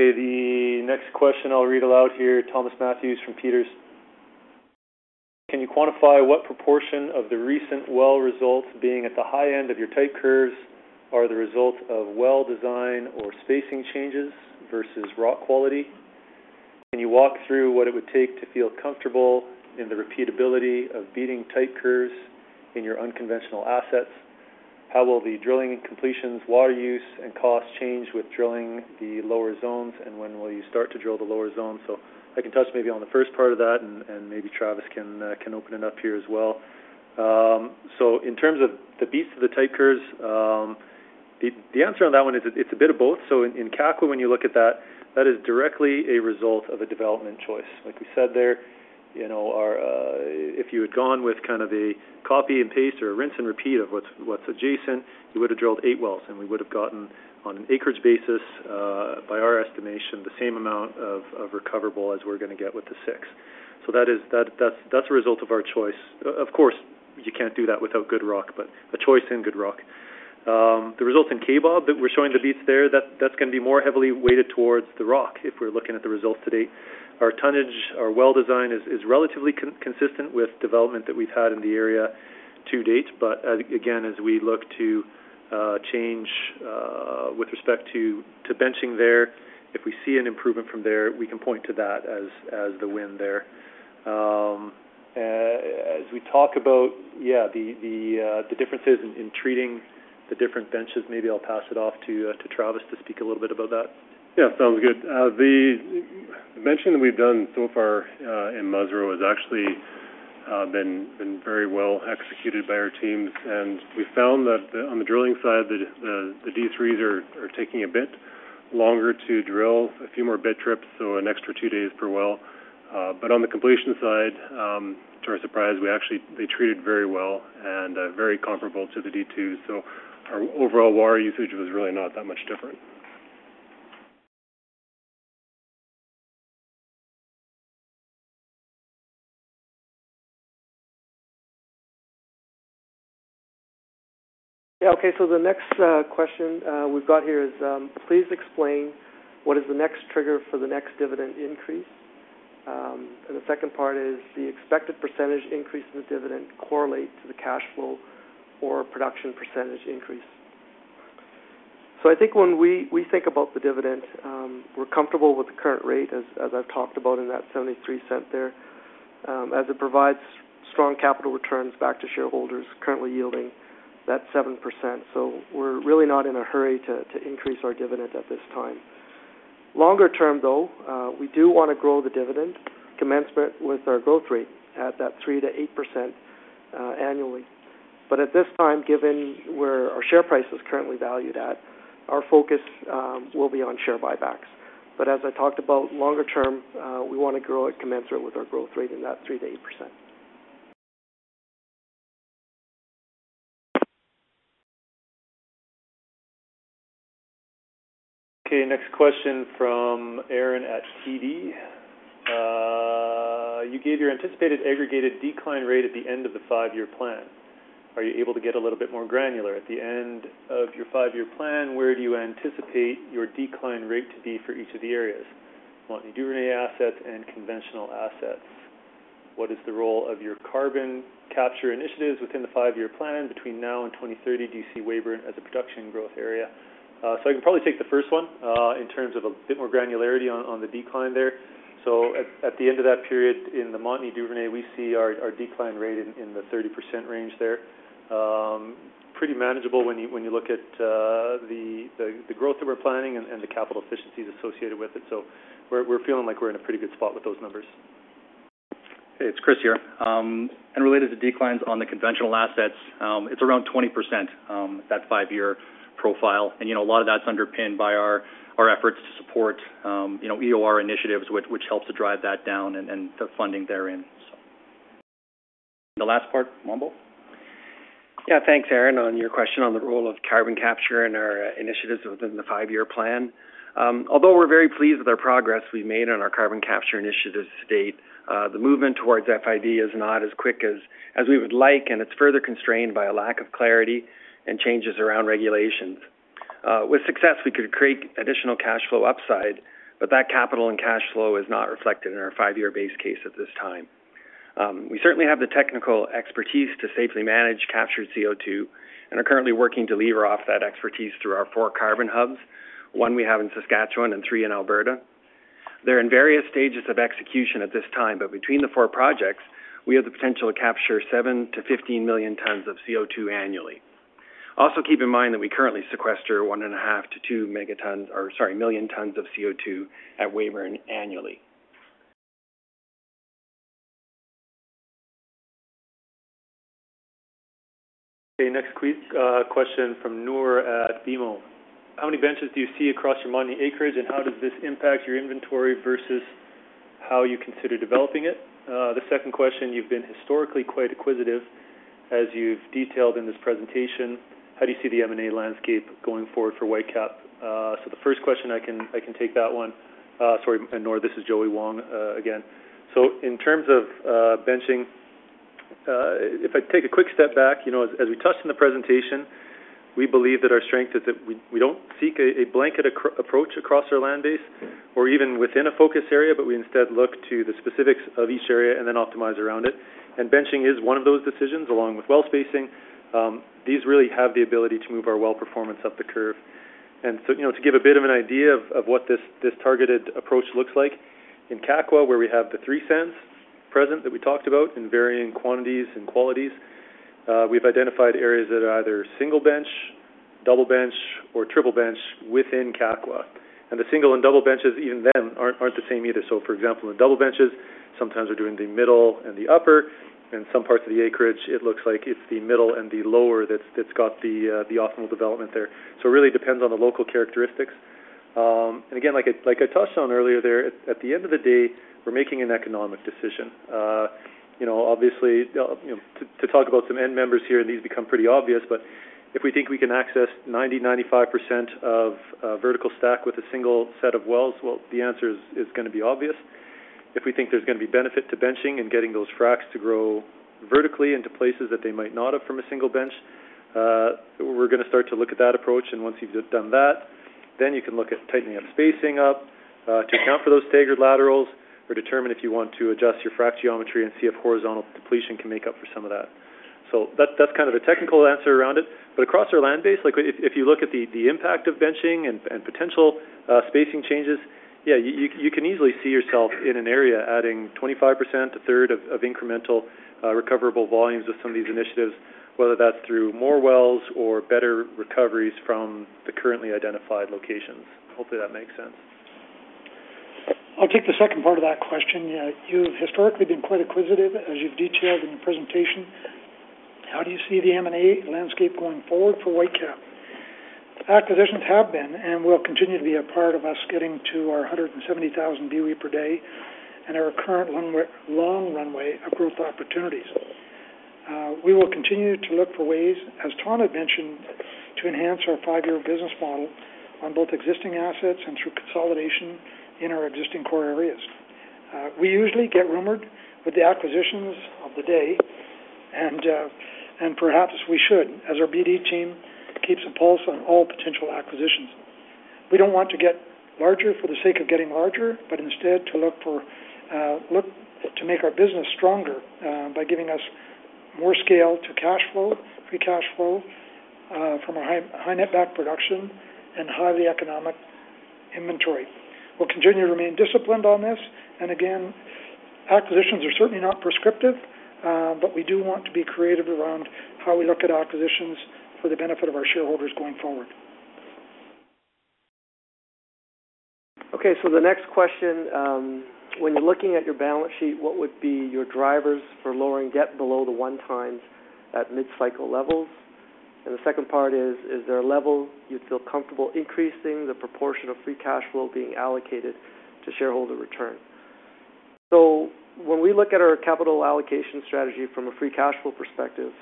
Okay. The next question I'll read aloud here, Thomas Matthews from Peters. "Can you quantify what proportion of the recent well results being at the high end of your type curves are the result of well design or spacing changes versus rock quality? Can you walk through what it would take to feel comfortable in the repeatability of beating type curves in your unconventional assets? How will the drilling completions, water use, and cost change with drilling the lower zones, and when will you start to drill the lower zones?" So I can touch maybe on the first part of that, and maybe Travis can open it up here as well. So in terms of the beats of the type curves, the answer on that one is it's a bit of both. So in Kakwa, when you look at that, that is directly a result of a development choice. Like we said there, if you had gone with kind of a copy and paste or a rinse and repeat of what's adjacent, you would have drilled 8 wells, and we would have gotten on an acreage basis, by our estimation, the same amount of recoverable as we're going to get with the 6. So that's a result of our choice. Of course, you can't do that without good rock, but a choice in good rock. The result in Kaybob that we're showing the beats there, that's going to be more heavily weighted towards the rock if we're looking at the results to date. Our tonnage, our well design is relatively consistent with development that we've had in the area to date. But again, as we look to change with respect to benching there, if we see an improvement from there, we can point to that as the win there. As we talk about, yeah, the differences in treating the different benches, maybe I'll pass it off to Travis to speak a little bit about that. Yeah. Sounds good. The benching that we've done so far in Musreau has actually been very well executed by our teams. And we found that on the drilling side, the D3s are taking a bit longer to drill, a few more bit trips, so an extra 2 days per well. But on the completion side, to our surprise, they treated very well and very comparable to the D2. So our overall water usage was really not that much different. Yeah. Okay. So the next question we've got here is, "Please explain what is the next trigger for the next dividend increase." And the second part is, "The expected percentage increase in the dividend correlates to the cash flow or production percentage increase." So I think when we think about the dividend, we're comfortable with the current rate, as I've talked about in that 0.73 there, as it provides strong capital returns back to shareholders currently yielding that 7%. So we're really not in a hurry to increase our dividend at this time. Longer term, though, we do want to grow the dividend commencement with our growth rate at that 3%-8% annually. But at this time, given where our share price is currently valued at, our focus will be on share buybacks. But as I talked about, longer term, we want to grow in tandem with our growth rate in that 3%-8%. Okay. Next question from Aaron at TD. "You gave your anticipated aggregated decline rate at the end of the five-year plan. Are you able to get a little bit more granular? At the end of your five-year plan, where do you anticipate your decline rate to be for each of the areas? Want any Duvernay assets and conventional assets? What is the role of your carbon capture initiatives within the five-year plan between now and 2030? Do you see Weyburn as a production growth area?" So I can probably take the first one in terms of a bit more granularity on the decline there. So at the end of that period in the Montney Duvernay, we see our decline rate in the 30% range there. Pretty manageable when you look at the growth that we're planning and the capital efficiencies associated with it. We're feeling like we're in a pretty good spot with those numbers. Hey, it's Chris here. Related to declines on the conventional assets, it's around 20% that five-year profile. A lot of that's underpinned by our efforts to support EOR initiatives, which helps to drive that down and the funding therein, so. The last part, Mombourquette. Yeah. Thanks, Aaron, on your question on the role of carbon capture and our initiatives within the five-year plan. Although we're very pleased with our progress we've made on our carbon capture initiatives to date, the movement towards FID is not as quick as we would like, and it's further constrained by a lack of clarity and changes around regulations. With success, we could create additional cash flow upside, but that capital and cash flow is not reflected in our five-year base case at this time. We certainly have the technical expertise to safely manage captured CO2 and are currently working to lever off that expertise through our four carbon hubs, one we have in Saskatchewan and three in Alberta. They're in various stages of execution at this time, but between the four projects, we have the potential to capture 7-15 million tons of CO2 annually. Also keep in mind that we currently sequester 1.5-2 million tons of CO2 at Weyburn annually. Okay. Next question from Noor at BMO. "How many benches do you see across your Montney acreage, and how does this impact your inventory versus how you consider developing it?" The second question, "You've been historically quite acquisitive. As you've detailed in this presentation, how do you see the M&A landscape going forward for Whitecap?" So the first question, I can take that one. Sorry, Noor, this is Joey Wong again. So in terms of benching, if I take a quick step back, as we touched in the presentation, we believe that our strength is that we don't seek a blanket approach across our land base or even within a focus area, but we instead look to the specifics of each area and then optimize around it. And benching is one of those decisions along with well spacing. These really have the ability to move our well performance up the curve. So to give a bit of an idea of what this targeted approach looks like, in Kakwa, where we have the three zones present that we talked about in varying quantities and qualities, we've identified areas that are either single bench, double bench, or triple bench within Kakwa. The single and double benches, even then, aren't the same either. For example, in the double benches, sometimes we're doing the middle and the upper. In some parts of the acreage, it looks like it's the middle and the lower that's got the optimal development there. So it really depends on the local characteristics. Again, like I touched on earlier there, at the end of the day, we're making an economic decision. Obviously, to talk about some end members here, and these become pretty obvious, but if we think we can access 90%-95% of vertical stack with a single set of wells, well, the answer is going to be obvious. If we think there's going to be benefit to benching and getting those fracs to grow vertically into places that they might not have from a single bench, we're going to start to look at that approach. And once you've done that, then you can look at tightening up spacing up to account for those staggered laterals or determine if you want to adjust your fract geometry and see if horizontal depletion can make up for some of that. So that's kind of a technical answer around it. But across our land base, if you look at the impact of benching and potential spacing changes, yeah, you can easily see yourself in an area adding 25%, a third of incremental recoverable volumes with some of these initiatives, whether that's through more wells or better recoveries from the currently identified locations. Hopefully, that makes sense. I'll take the second part of that question. You've historically been quite acquisitive, as you've detailed in your presentation. How do you see the M&A landscape going forward for Whitecap? Acquisitions have been and will continue to be a part of us getting to our 170,000 BOE per day and our current long runway of growth opportunities. We will continue to look for ways, as Thanh had mentioned, to enhance our five-year business model on both existing assets and through consolidation in our existing core areas. We usually get rumored with the acquisitions of the day, and perhaps we should, as our BD team keeps a pulse on all potential acquisitions. We don't want to get larger for the sake of getting larger, but instead to look to make our business stronger by giving us more scale to cash flow, free cash flow from our high net back production and highly economic inventory. We'll continue to remain disciplined on this. Again, acquisitions are certainly not prescriptive, but we do want to be creative around how we look at acquisitions for the benefit of our shareholders going forward. Okay. So the next question, "When you're looking at your balance sheet, what would be your drivers for lowering debt below the 1x at mid-cycle levels?" And the second part is, "Is there a level you'd feel comfortable increasing the proportion of free cash flow being allocated to shareholder return?" So when we look at our capital allocation strategy from a free cash flow perspective,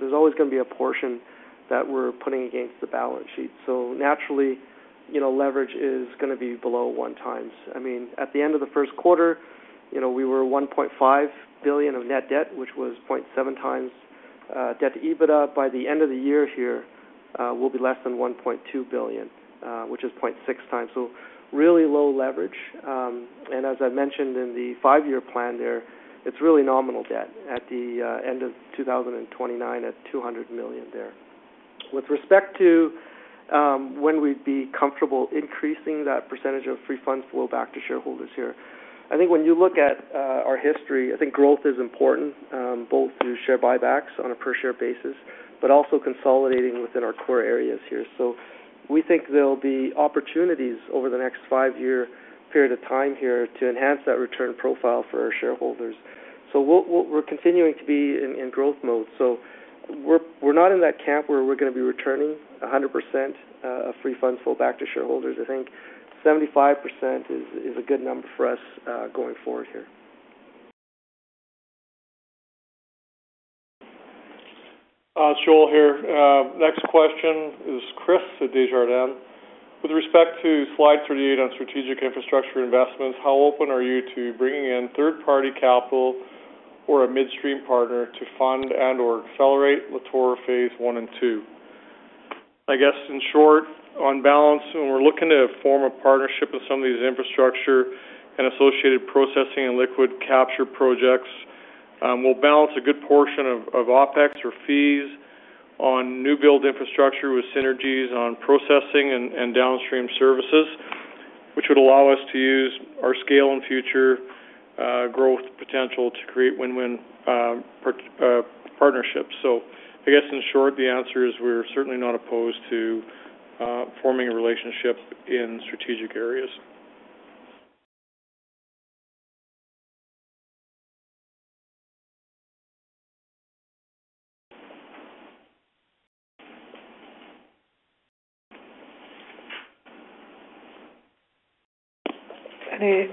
there's always going to be a portion that we're putting against the balance sheet. So naturally, leverage is going to be below 1x. I mean, at the end of the first quarter, we were 1.5 billion of net debt, which was 0.7x debt to EBITDA. By the end of the year here, we'll be less than 1.2 billion, which is 0.6x. So really low leverage. As I mentioned in the five-year plan there, it's really nominal debt at the end of 2029 at 200 million there. With respect to when we'd be comfortable increasing that percentage of free funds flow back to shareholders here, I think when you look at our history, I think growth is important both through share buybacks on a per-share basis, but also consolidating within our core areas here. So we think there'll be opportunities over the next five-year period of time here to enhance that return profile for our shareholders. So we're continuing to be in growth mode. So we're not in that camp where we're going to be returning 100% of free funds flow back to shareholders. I think 75% is a good number for us going forward here. Joel here. Next question is Chris at Desjardins. With respect to slide 38 on strategic infrastructure investments, how open are you to bringing in third-party capital or a midstream partner to fund and/or Latour phase one and two? I guess in short, on balance, when we're looking to form a partnership with some of these infrastructure and associated processing and liquids capture projects, we'll balance a good portion of OPEX or fees on new build infrastructure with synergies on processing and downstream services, which would allow us to use our scale and future growth potential to create win-win partnerships. So I guess in short, the answer is we're certainly not opposed to forming a relationship in strategic areas.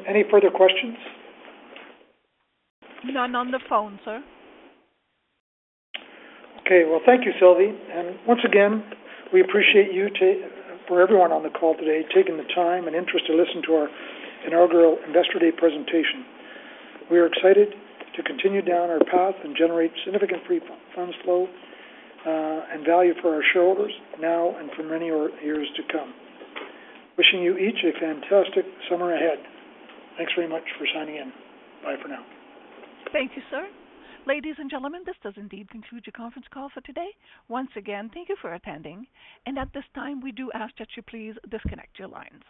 Any further questions? None on the phone, sir. Okay. Well, thank you, Sylvie. Once again, we appreciate you for everyone on the call today taking the time and interest to listen to our inaugural Investor Day presentation. We are excited to continue down our path and generate significant free funds flow and value for our shareholders now and for many years to come. Wishing you each a fantastic summer ahead. Thanks very much for signing in. Bye for now. Thank you, sir. Ladies and gentlemen, this does indeed conclude your conference call for today. Once again, thank you for attending. At this time, we do ask that you please disconnect your lines.